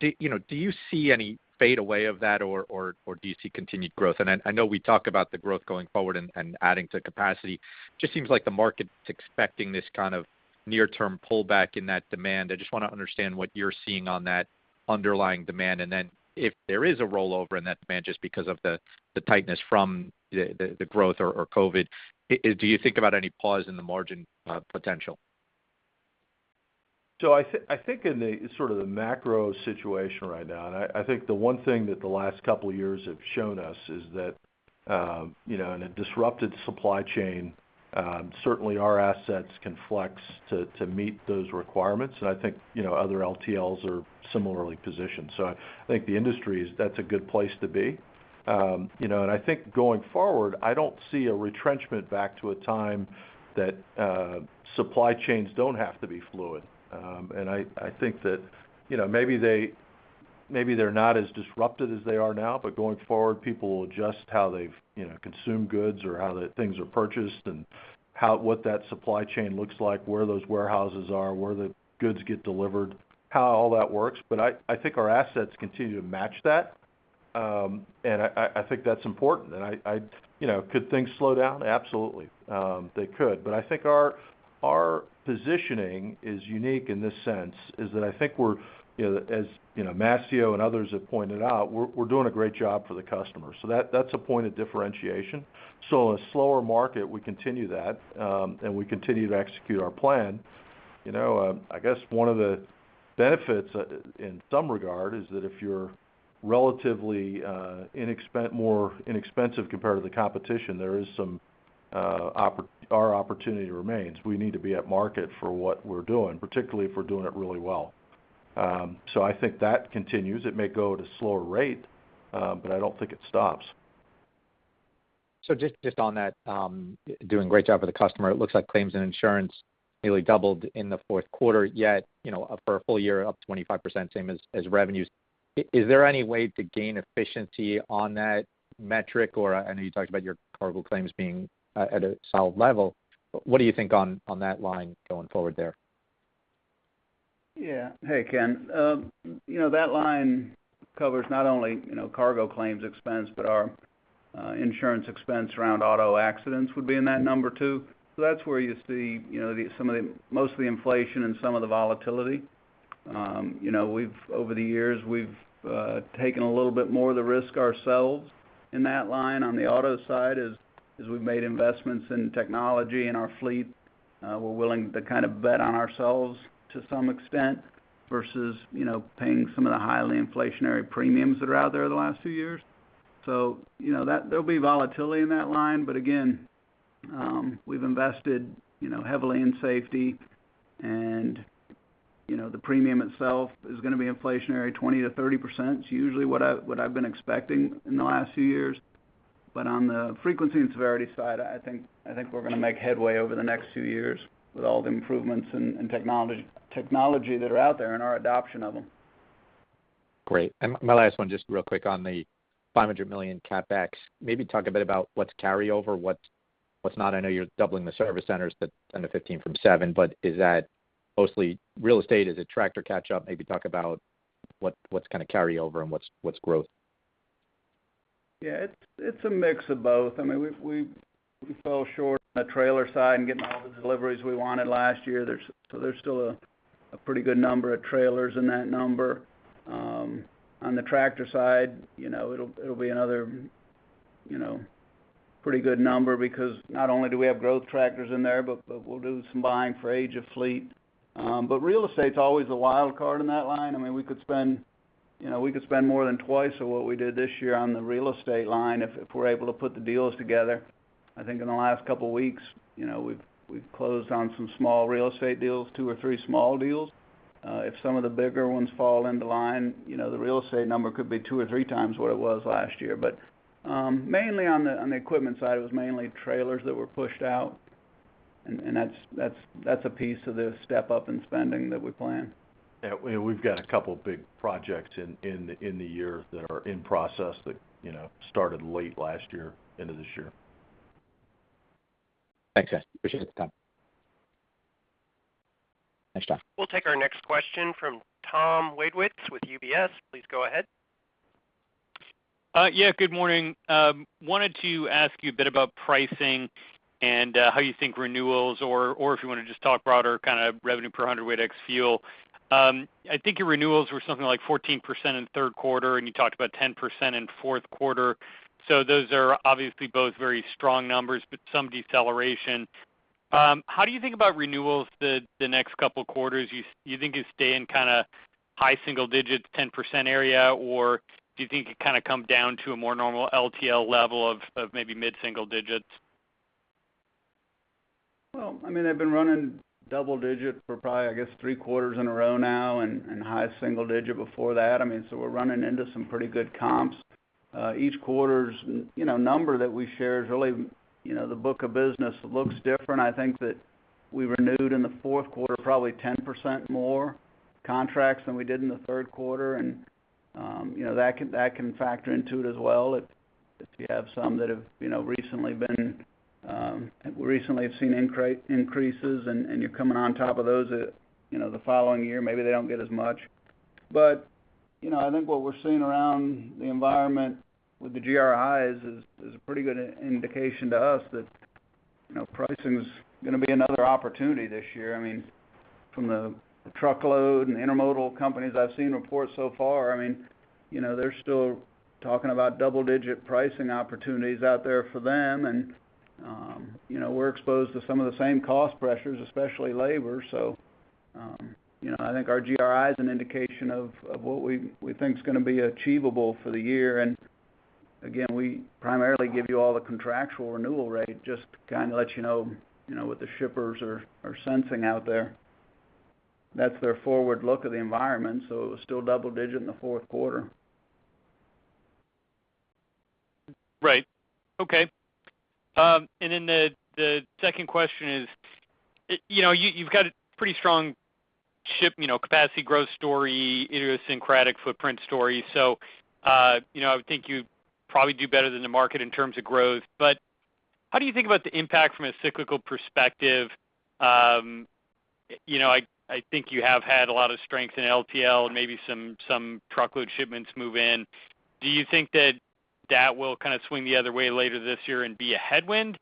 do you see any fade away of that, or do you see continued growth? I know we talk about the growth going forward and adding to capacity. Just seems like the market's expecting this kind of near term pullback in that demand. I just wanna understand what you're seeing on that underlying demand. Then if there is a rollover in that demand just because of the tightness from the growth or COVID, do you think about any pause in the margin potential? I think in the sort of macro situation right now, I think the one thing that the last couple years have shown us is that, you know, in a disrupted supply chain, certainly our assets can flex to meet those requirements. I think, you know, other LTLs are similarly positioned. I think the industry is a good place to be. You know, I think going forward, I don't see a retrenchment back to a time that supply chains don't have to be fluid. I think that, you know, maybe they're not as disrupted as they are now, but going forward, people will adjust how they've, you know, consumed goods or how the things are purchased and how What that supply chain looks like, where those warehouses are, where the goods get delivered, how all that works. I think our assets continue to match that. I think that's important. You know, could things slow down? Absolutely. They could. I think our positioning is unique in this sense, is that I think we're, you know, as you know, Mastio and others have pointed out, we're doing a great job for the customer. That's a point of differentiation. In a slower market, we continue that, and we continue to execute our plan. You know, I guess one of the benefits in some regard is that if you're relatively more inexpensive compared to the competition, there is some, our opportunity remains. We need to be at market for what we're doing, particularly if we're doing it really well. I think that continues. It may go at a slower rate, but I don't think it stops. Just on that, doing great job for the customer, it looks like claims and insurance nearly doubled in the fourth quarter, yet up for a full year, up 25%, same as revenues. Is there any way to gain efficiency on that metric? Or I know you talked about your cargo claims being at a solid level, what do you think on that line going forward there? Yeah. Hey, Ken. You know, that line covers not only, you know, cargo claims expense, but our insurance expense around auto accidents would be in that number too. That's where you see, you know, some of the, most of the inflation and some of the volatility. You know, we've over the years, we've taken a little bit more of the risk ourselves in that line on the auto side as we've made investments in technology in our fleet. We're willing to kind of bet on ourselves to some extent versus, you know, paying some of the highly inflationary premiums that are out there the last two years. You know, that there'll be volatility in that line. Again, we've invested, you know, heavily in safety and, you know, the premium itself is gonna be inflationary. 20%-30% is usually what I've been expecting in the last few years. On the frequency and severity side, I think we're gonna make headway over the next few years with all the improvements in technology that are out there and our adoption of them. Great. My last one, just real quick on the $500 million CapEx. Maybe talk a bit about what's carryover, what's not. I know you're doubling the service centers, but under 15 from seven. Is that mostly real estate? Is it tractor catch up? Maybe talk about what's gonna carry over and what's growth. Yeah, it's a mix of both. I mean, we fell short on the trailer side in getting all the deliveries we wanted last year. There's still a pretty good number of trailers in that number. On the tractor side, you know, it'll be another, you know, pretty good number because not only do we have growth tractors in there, but we'll do some buying for age of fleet. But real estate's always a wild card in that line. I mean, we could spend, you know, we could spend more than twice of what we did this year on the real estate line if we're able to put the deals together. I think in the last couple weeks, you know, we've closed on some small real estate deals, two or three small deals. If some of the bigger ones fall into line, you know, the real estate number could be 2x or 3x what it was last year. Mainly on the equipment side, it was mainly trailers that were pushed out, and that's a piece of the step up in spending that we plan. Yeah, we've got a couple big projects in the year that are in process that, you know, started late last year into this year. Thanks, guys. I appreciate the time. Thanks, Doug. We'll take our next question from Tom Wadewitz with UBS. Please go ahead. Yeah, good morning. Wanted to ask you a bit about pricing and how you think renewals or if you wanna just talk broader kind of revenue per 100 weight ex fuel. I think your renewals were something like 14% in the third quarter, and you talked about 10% in fourth quarter. Those are obviously both very strong numbers, but some deceleration. How do you think about renewals the next couple quarters? You think you stay in kinda high single digits, 10% area, or do you think it kinda come down to a more normal LTL level of maybe mid-single digits? Well, I mean, they've been running double-digit for probably, I guess, three quarters in a row now and high single-digit before that. I mean, we're running into some pretty good comps. Each quarter's, you know, number that we share is really, you know, the book of business looks different. I think that we renewed in the fourth quarter probably 10% more contracts than we did in the third quarter, and, you know, that can factor into it as well if you have some that have, you know, recently have seen increases and you're coming on top of those, you know, the following year, maybe they don't get as much. You know, I think what we're seeing around the environment with the GRIs is a pretty good indication to us that, you know, pricing is gonna be another opportunity this year. I mean, from the truckload and intermodal companies I've seen report so far, I mean, you know, they're still talking about double-digit pricing opportunities out there for them. You know, we're exposed to some of the same cost pressures, especially labor. You know, I think our GRI is an indication of what we think is gonna be achievable for the year. Again, we primarily give you all the contractual renewal rate just to kinda let you know, you know, what the shippers are sensing out there. That's their forward look of the environment, so it was still double digit in the fourth quarter. Right. Okay. The second question is, you know, you've got a pretty strong ship, you know, capacity growth story, idiosyncratic footprint story. You know, I would think you'd probably do better than the market in terms of growth. But how do you think about the impact from a cyclical perspective? You know, I think you have had a lot of strength in LTL and maybe some truckload shipments move in. Do you think that will kind of swing the other way later this year and be a headwind?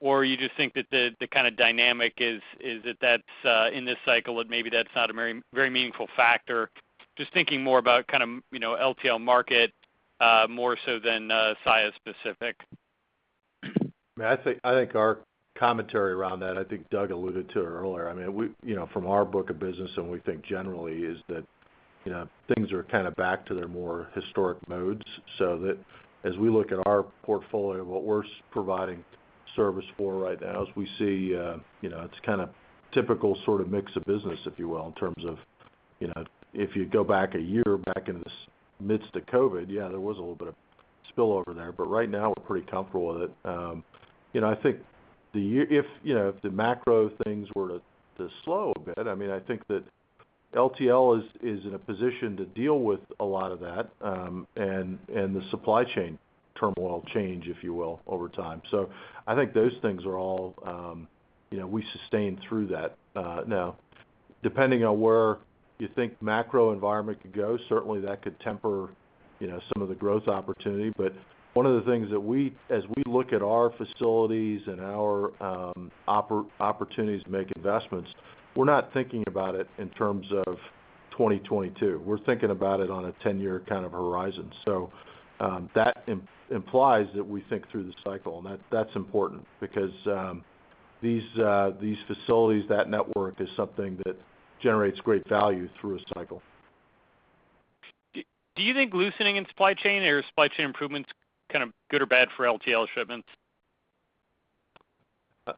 Or you just think that the kind of dynamic is that that's in this cycle, and maybe that's not a very meaningful factor? Just thinking more about kind of, you know, LTL market more so than Saia specific. I mean, I think our commentary around that, Doug alluded to it earlier. I mean, we, you know, from our book of business and we think generally is that, you know, things are kinda back to their more historic modes. That as we look at our portfolio, what we're providing service for right now is we see, you know, it's kinda typical sort of mix of business, if you will, in terms of, you know, if you go back a year, back in this midst of COVID, yeah, there was a little bit of spill over there, but right now we're pretty comfortable with it. You know, I think if the macro things were to slow a bit, I mean, I think that LTL is in a position to deal with a lot of that, and the supply chain turmoil change, if you will, over time. I think those things are all, you know, we sustain through that. Now, depending on where you think macro environment could go, certainly that could temper, you know, some of the growth opportunity. One of the things as we look at our facilities and our opportunities to make investments, we're not thinking about it in terms of 2022. We're thinking about it on a 10-year kind of horizon. That implies that we think through the cycle, and that's important because these facilities, that network is something that generates great value through a cycle. Do you think loosening in supply chain or supply chain improvements kind of good or bad for LTL shipments?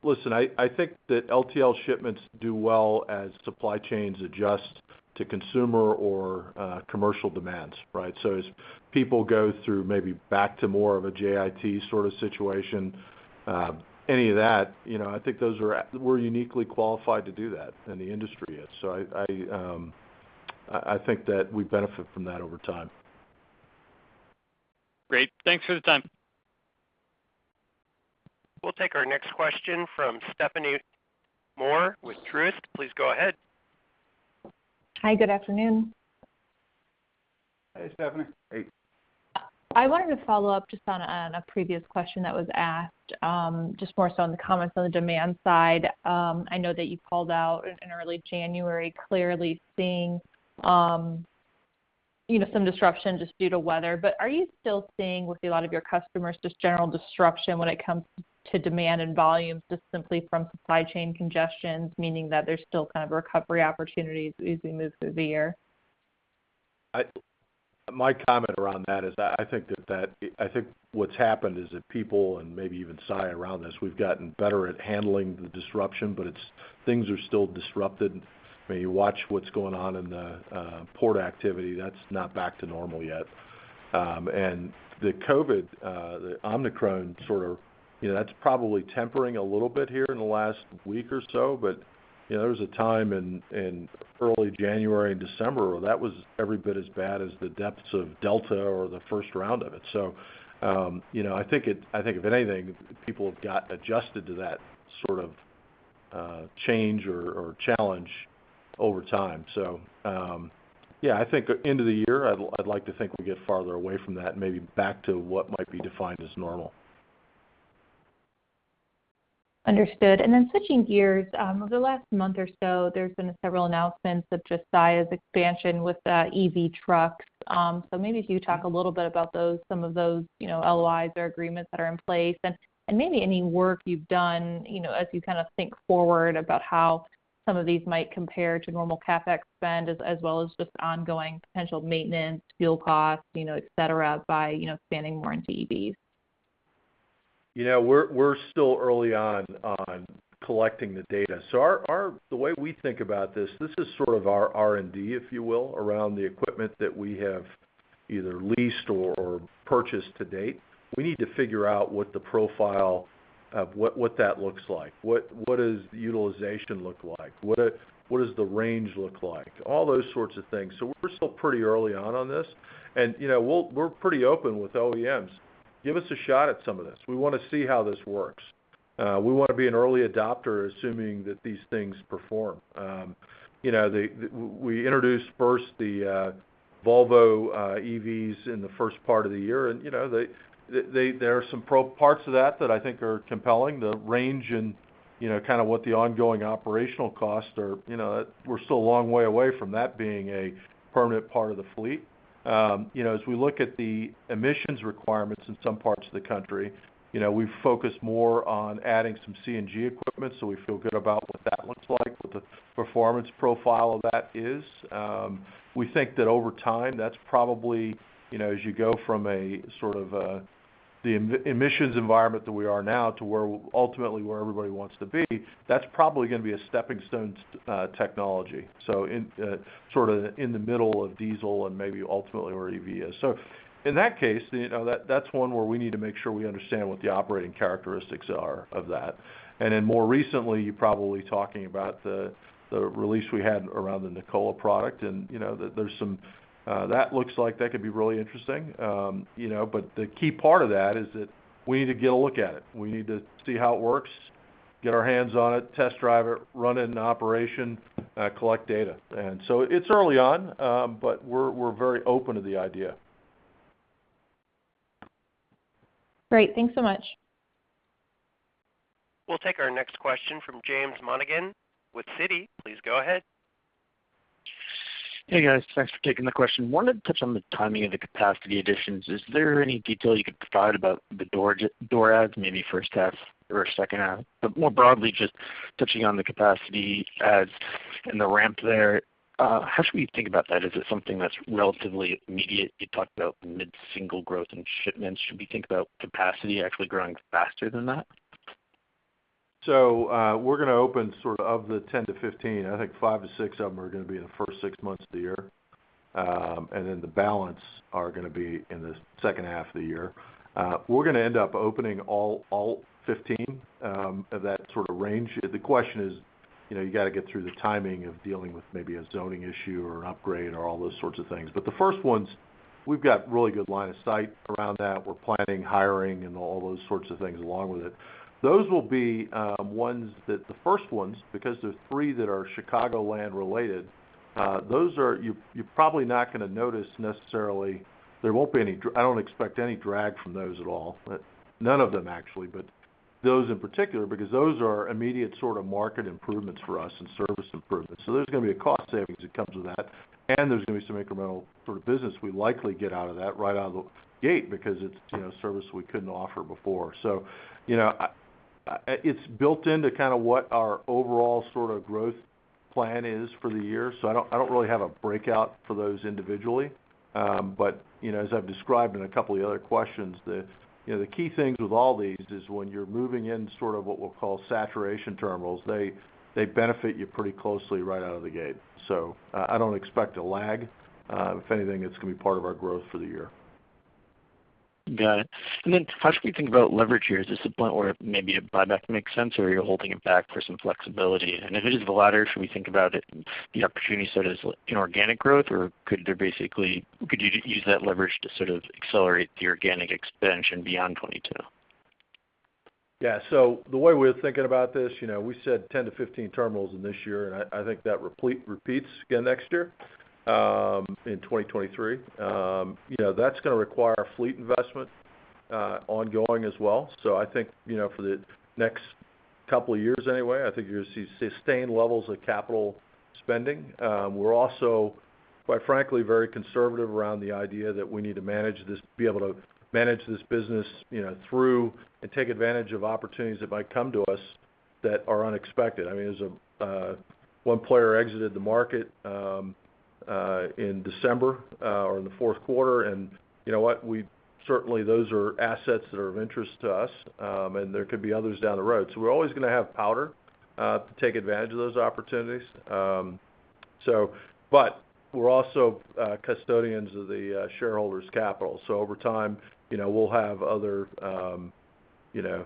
Listen, I think that LTL shipments do well as supply chains adjust to consumer or commercial demands, right? As people go through maybe back to more of a JIT sort of situation, any of that, you know, I think we're uniquely qualified to do that, and the industry is. I think that we benefit from that over time. Great. Thanks for the time. We'll take our next question from Stephanie Moore with Truist. Please go ahead. Hi, good afternoon. Hey, Stephanie. I wanted to follow up just on a previous question that was asked, just more so on the comments on the demand side. I know that you called out in early January clearly seeing, You know, some disruption just due to weather. Are you still seeing with a lot of your customers just general disruption when it comes to demand and volumes just simply from supply chain congestions, meaning that there's still kind of recovery opportunities as we move through the year? My comment around that is that I think what's happened is that people, and maybe even Saia around this, we've gotten better at handling the disruption, but things are still disrupted. I mean, you watch what's going on in the port activity, that's not back to normal yet. And the COVID, the Omicron sort of, you know, that's probably tempering a little bit here in the last week or so. You know, there was a time in early January and December where that was every bit as bad as the depths of Delta or the first round of it. You know, I think if anything, people have got adjusted to that sort of change or challenge over time. Yeah, I think end of the year, I'd like to think we get farther away from that and maybe back to what might be defined as normal. Understood. Then switching gears, over the last month or so, there's been several announcements of just Saia's expansion with EV trucks. So maybe if you talk a little bit about those, some of those, you know, LOIs or agreements that are in place and maybe any work you've done, you know, as you kind of think forward about how some of these might compare to normal CapEx spend, as well as just ongoing potential maintenance, fuel costs, you know, et cetera, by, you know, expanding more into EVs. You know, we're still early on collecting the data. So the way we think about this is sort of our R&D, if you will, around the equipment that we have either leased or purchased to date. We need to figure out what the profile of what that looks like. What does the utilization look like? What does the range look like? All those sorts of things. We're still pretty early on this. You know, we're pretty open with OEMs. Give us a shot at some of this. We wanna see how this works. We wanna be an early adopter, assuming that these things perform. You know, we introduced first the Volvo EVs in the first part of the year. You know, there are some parts of that that I think are compelling. The range and, you know, kind of what the ongoing operational costs are. You know, we're still a long way away from that being a permanent part of the fleet. You know, as we look at the emissions requirements in some parts of the country, you know, we focus more on adding some CNG equipment, so we feel good about what that looks like, what the performance profile of that is. We think that over time, that's probably, you know, as you go from a sort of the emissions environment that we are now to where ultimately everybody wants to be, that's probably gonna be a stepping stone technology, so in sort of in the middle of diesel and maybe ultimately where EV is. In that case, you know, that's one where we need to make sure we understand what the operating characteristics are of that. Then more recently, you're probably talking about the release we had around the Nikola product and, you know, there's some that looks like that could be really interesting. You know, but the key part of that is that we need to get a look at it. We need to see how it works, get our hands on it, test drive it, run it in operation, collect data. It's early on, but we're very open to the idea. Great. Thanks so much. We'll take our next question from [James Monahan] with Citi. Please go ahead. Hey, guys. Thanks for taking the question. Wanted to touch on the timing of the capacity additions. Is there any detail you could provide about the door adds, maybe first half or second half? More broadly, just touching on the capacity adds and the ramp there, how should we think about that? Is it something that's relatively immediate? You talked about mid-single growth in shipments. Should we think about capacity actually growing faster than that? We're going to open sort of the 10-15. I think 5-6 of them are going to be in the first six months of the year. The balance are going to be in the second half of the year. We're going to end up opening all 15 of that sort of range. The question is, you know, you gotta get through the timing of dealing with maybe a zoning issue or an upgrade or all those sorts of things. The first ones, we've got really good line of sight around that. We're planning, hiring, and all those sorts of things along with it. Those will be ones, the first ones, because there's three that are Chicagoland related. Those are you're probably not going to notice necessarily. I don't expect any drag from those at all. None of them actually, but those in particular, because those are immediate sort of market improvements for us and service improvements. There's gonna be a cost savings that comes with that, and there's gonna be some incremental sort of business we likely get out of that right out of the gate because it's, you know, service we couldn't offer before. You know, it's built into kind of what our overall sort of growth plan is for the year. I don't really have a breakout for those individually. You know, as I've described in a couple of the other questions, you know, the key things with all these is when you're moving in sort of what we'll call saturation terminals, they benefit you pretty closely right out of the gate. I don't expect a lag. If anything, it's gonna be part of our growth for the year. Got it. How should we think about leverage here? Is this a point where maybe a buyback makes sense, or you're holding it back for some flexibility? If it is the latter, should we think about it, the opportunity set as inorganic growth, or could you use that leverage to sort of accelerate the organic expansion beyond 2022? The way we're thinking about this, you know, we said 10-15 terminals in this year, and I think that repeats again next year, in 2023. You know, that's gonna require fleet investment, ongoing as well. I think, you know, for the next A couple of years anyway. I think you're gonna see sustained levels of capital spending. We're also, quite frankly, very conservative around the idea that we need to be able to manage this business, you know, through and take advantage of opportunities that might come to us that are unexpected. I mean, as one player exited the market in December or in the fourth quarter. You know what? Certainly, those are assets that are of interest to us, and there could be others down the road. We're always gonna have powder to take advantage of those opportunities. But we're also custodians of the shareholders' capital. Over time, you know,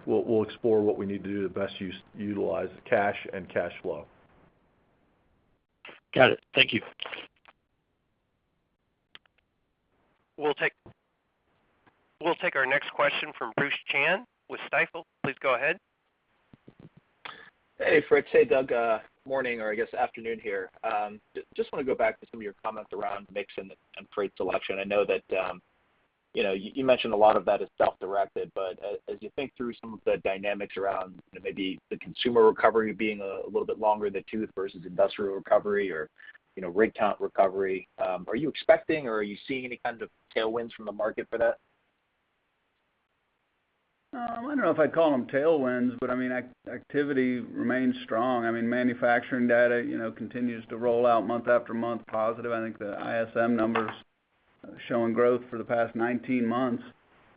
we'll explore what we need to do to best utilize cash and cash flow. Got it. Thank you. We'll take our next question from Bruce Chan with Stifel. Please go ahead. Hey, Fritz. Hey, Doug. Morning, or I guess afternoon here. Just wanna go back to some of your comments around mix and freight selection. I know that, you know, you mentioned a lot of that is self-directed, but as you think through some of the dynamics around, you know, maybe the consumer recovery being a little bit long in the tooth versus industrial recovery or, you know, rig count recovery, are you expecting or are you seeing any kinds of tailwinds from the market for that? I don't know if I'd call them tailwinds, but I mean, activity remains strong. I mean, manufacturing data, you know, continues to roll out month-after-month positive. I think the ISM numbers showing growth for the past 19 months.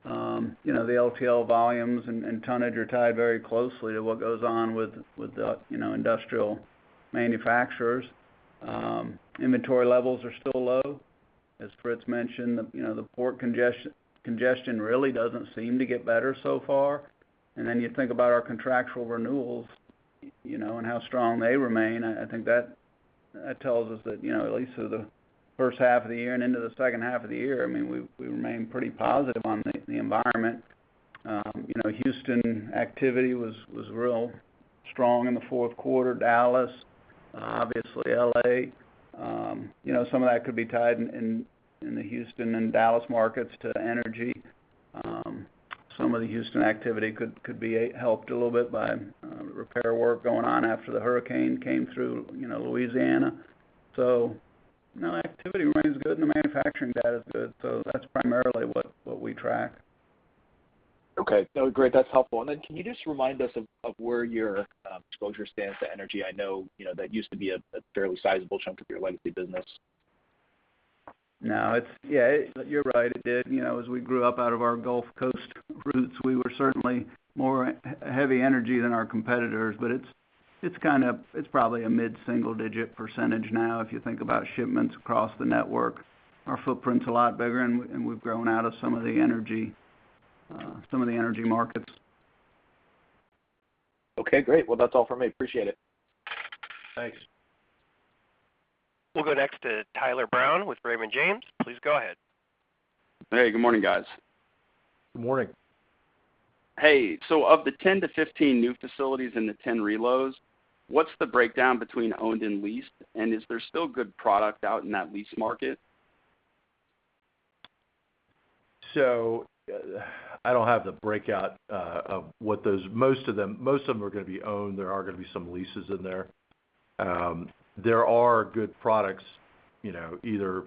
You know, the LTL volumes and tonnage are tied very closely to what goes on with the, you know, industrial manufacturers. Inventory levels are still low. As Fritz mentioned, the, you know, the port congestion really doesn't seem to get better so far. You think about our contractual renewals, you know, and how strong they remain. I think that tells us that, you know, at least through the first half of the year and into the second half of the year, I mean, we remain pretty positive on the environment. You know, Houston activity was real strong in the fourth quarter, Dallas, obviously L.A. You know, some of that could be tied in the Houston and Dallas markets to energy. Some of the Houston activity could be helped a little bit by repair work going on after the hurricane came through, you know, Louisiana. You know, activity remains good, and the manufacturing data is good, so that's primarily what we track. Okay. No, great. That's helpful. Then can you just remind us of where your exposure stands to energy? I know, you know, that used to be a fairly sizable chunk of your legacy business. No, it's. Yeah, you're right. It did. You know, as we grew up out of our Gulf Coast roots, we were certainly more heavy energy than our competitors. But it's kind of a mid-single-digit percentage now if you think about shipments across the network. Our footprint's a lot bigger, and we've grown out of some of the energy markets. Okay, great. Well, that's all for me. Appreciate it. Thanks. We'll go next to Tyler Brown with Raymond James. Please go ahead. Hey, good morning, guys. Good morning. Hey. Of the 10-15 new facilities and the 10 reloads, what's the breakdown between owned and leased? And is there still good product out in that lease market? I don't have the breakout of what those are. Most of them are gonna be owned. There are gonna be some leases in there. There are good properties, you know, either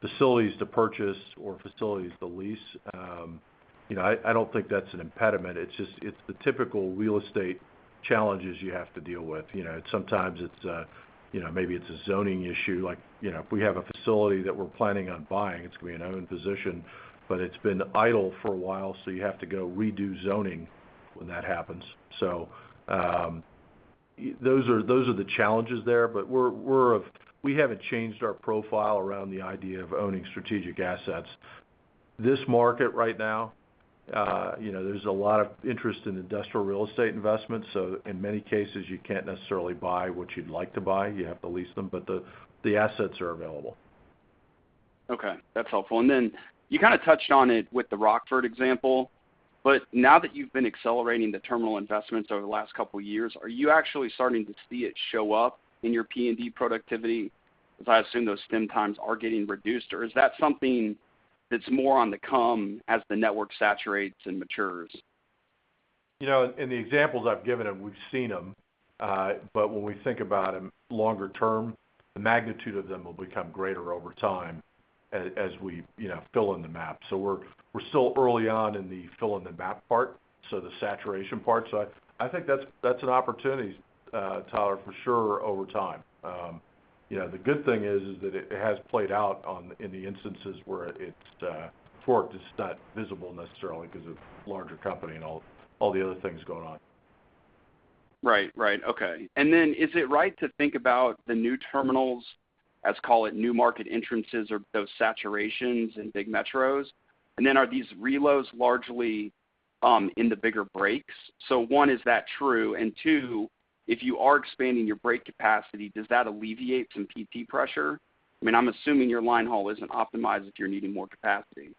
facilities to purchase or facilities to lease. You know, I don't think that's an impediment. It's just the typical real estate challenges you have to deal with. You know, sometimes it's, you know, maybe it's a zoning issue, like, you know, if we have a facility that we're planning on buying, it's gonna be an owned position, but it's been idle for a while, so you have to go redo zoning when that happens. Those are the challenges there, but we haven't changed our profile around the idea of owning strategic assets. This market right now, you know, there's a lot of interest in industrial real estate investments, so in many cases, you can't necessarily buy what you'd like to buy. You have to lease them. But the assets are available. Okay, that's helpful. Then you kinda touched on it with the Rockford example, but now that you've been accelerating the terminal investments over the last couple years, are you actually starting to see it show up in your P&D productivity, as I assume those turn times are getting reduced? Or is that something that's more on the come as the network saturates and matures? You know, in the examples I've given them, we've seen them. When we think about them longer term, the magnitude of them will become greater over time as we, you know, fill in the map. We're still early on in the fill-in-the-map part, so the saturation part. I think that's an opportunity, Tyler, for sure, over time. You know, the good thing is that it has played out in the instances where it's forked. It's not visible necessarily 'cause of larger company and all the other things going on. Right. Okay. Is it right to think about the new terminals as, call it, new market entries or those saturations in big metros? Are these reloads largely in the bigger breaks? One, is that true? Two, if you are expanding your break capacity, does that alleviate some P&D pressure? I mean, I'm assuming your line haul isn't optimized if you're needing more capacity.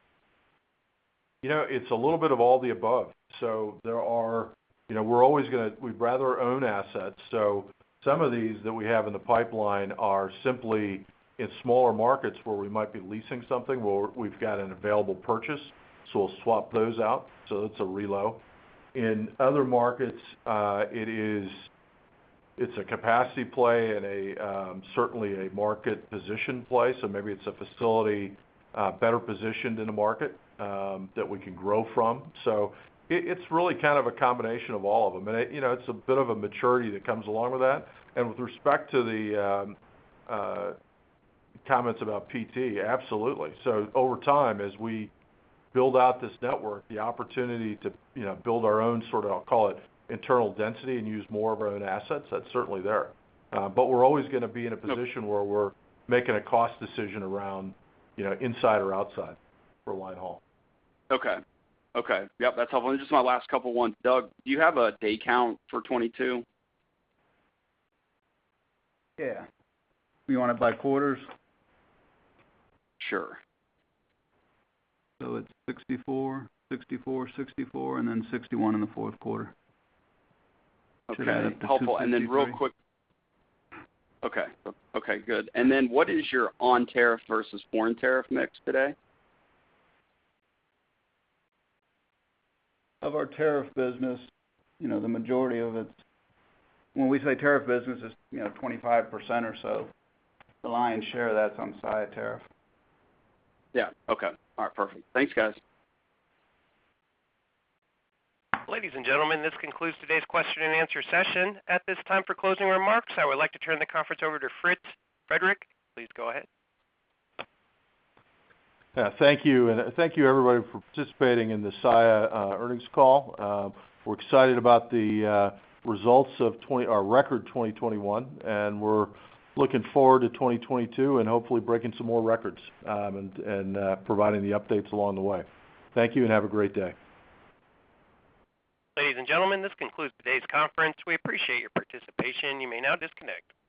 You know, it's a little bit of all the above. There are. You know, we're always gonna. We'd rather own assets. Some of these that we have in the pipeline are simply in smaller markets where we might be leasing something, or we've got an available purchase, so we'll swap those out, so it's a reload. In other markets, it's a capacity play and a certainly a market position play. Maybe it's a facility better positioned in the market that we can grow from. It's really kind of a combination of all of them. You know, it's a bit of a maturity that comes along with that. With respect to the comments about PT, absolutely. Over time, as we build out this network, the opportunity to, you know, build our own sort of, I'll call it, internal density and use more of our own assets, that's certainly there. We're always gonna be in a position where we're making a cost decision around, you know, inside or outside for white haul. Okay. Okay. Yep, that's helpful. Just my last couple ones. Doug, do you have a day count for 2022? Yeah. You want it by quarters? Sure. It's 64%, 64%, 64%, and then 61% in the fourth quarter. Okay. Should add up to 253. Helpful. Real quick. Okay. Okay, good. What is your on-tariff versus foreign tariff mix today? Of our tariff business, you know, the majority of it. When we say tariff business, it's, you know, 25% or so. The lion's share of that's on Saia tariff. Yeah. Okay. All right, perfect. Thanks, guys. Ladies and gentlemen, this concludes today's question and answer session. At this time, for closing remarks, I would like to turn the conference over to Frederick J. Holzgrefe. Please go ahead. Yeah, thank you. Thank you everybody for participating in the Saia earnings call. We're excited about the results of our record 2021, and we're looking forward to 2022 and hopefully breaking some more records and providing the updates along the way. Thank you, and have a great day. Ladies and gentlemen, this concludes today's conference. We appreciate your participation. You may now disconnect.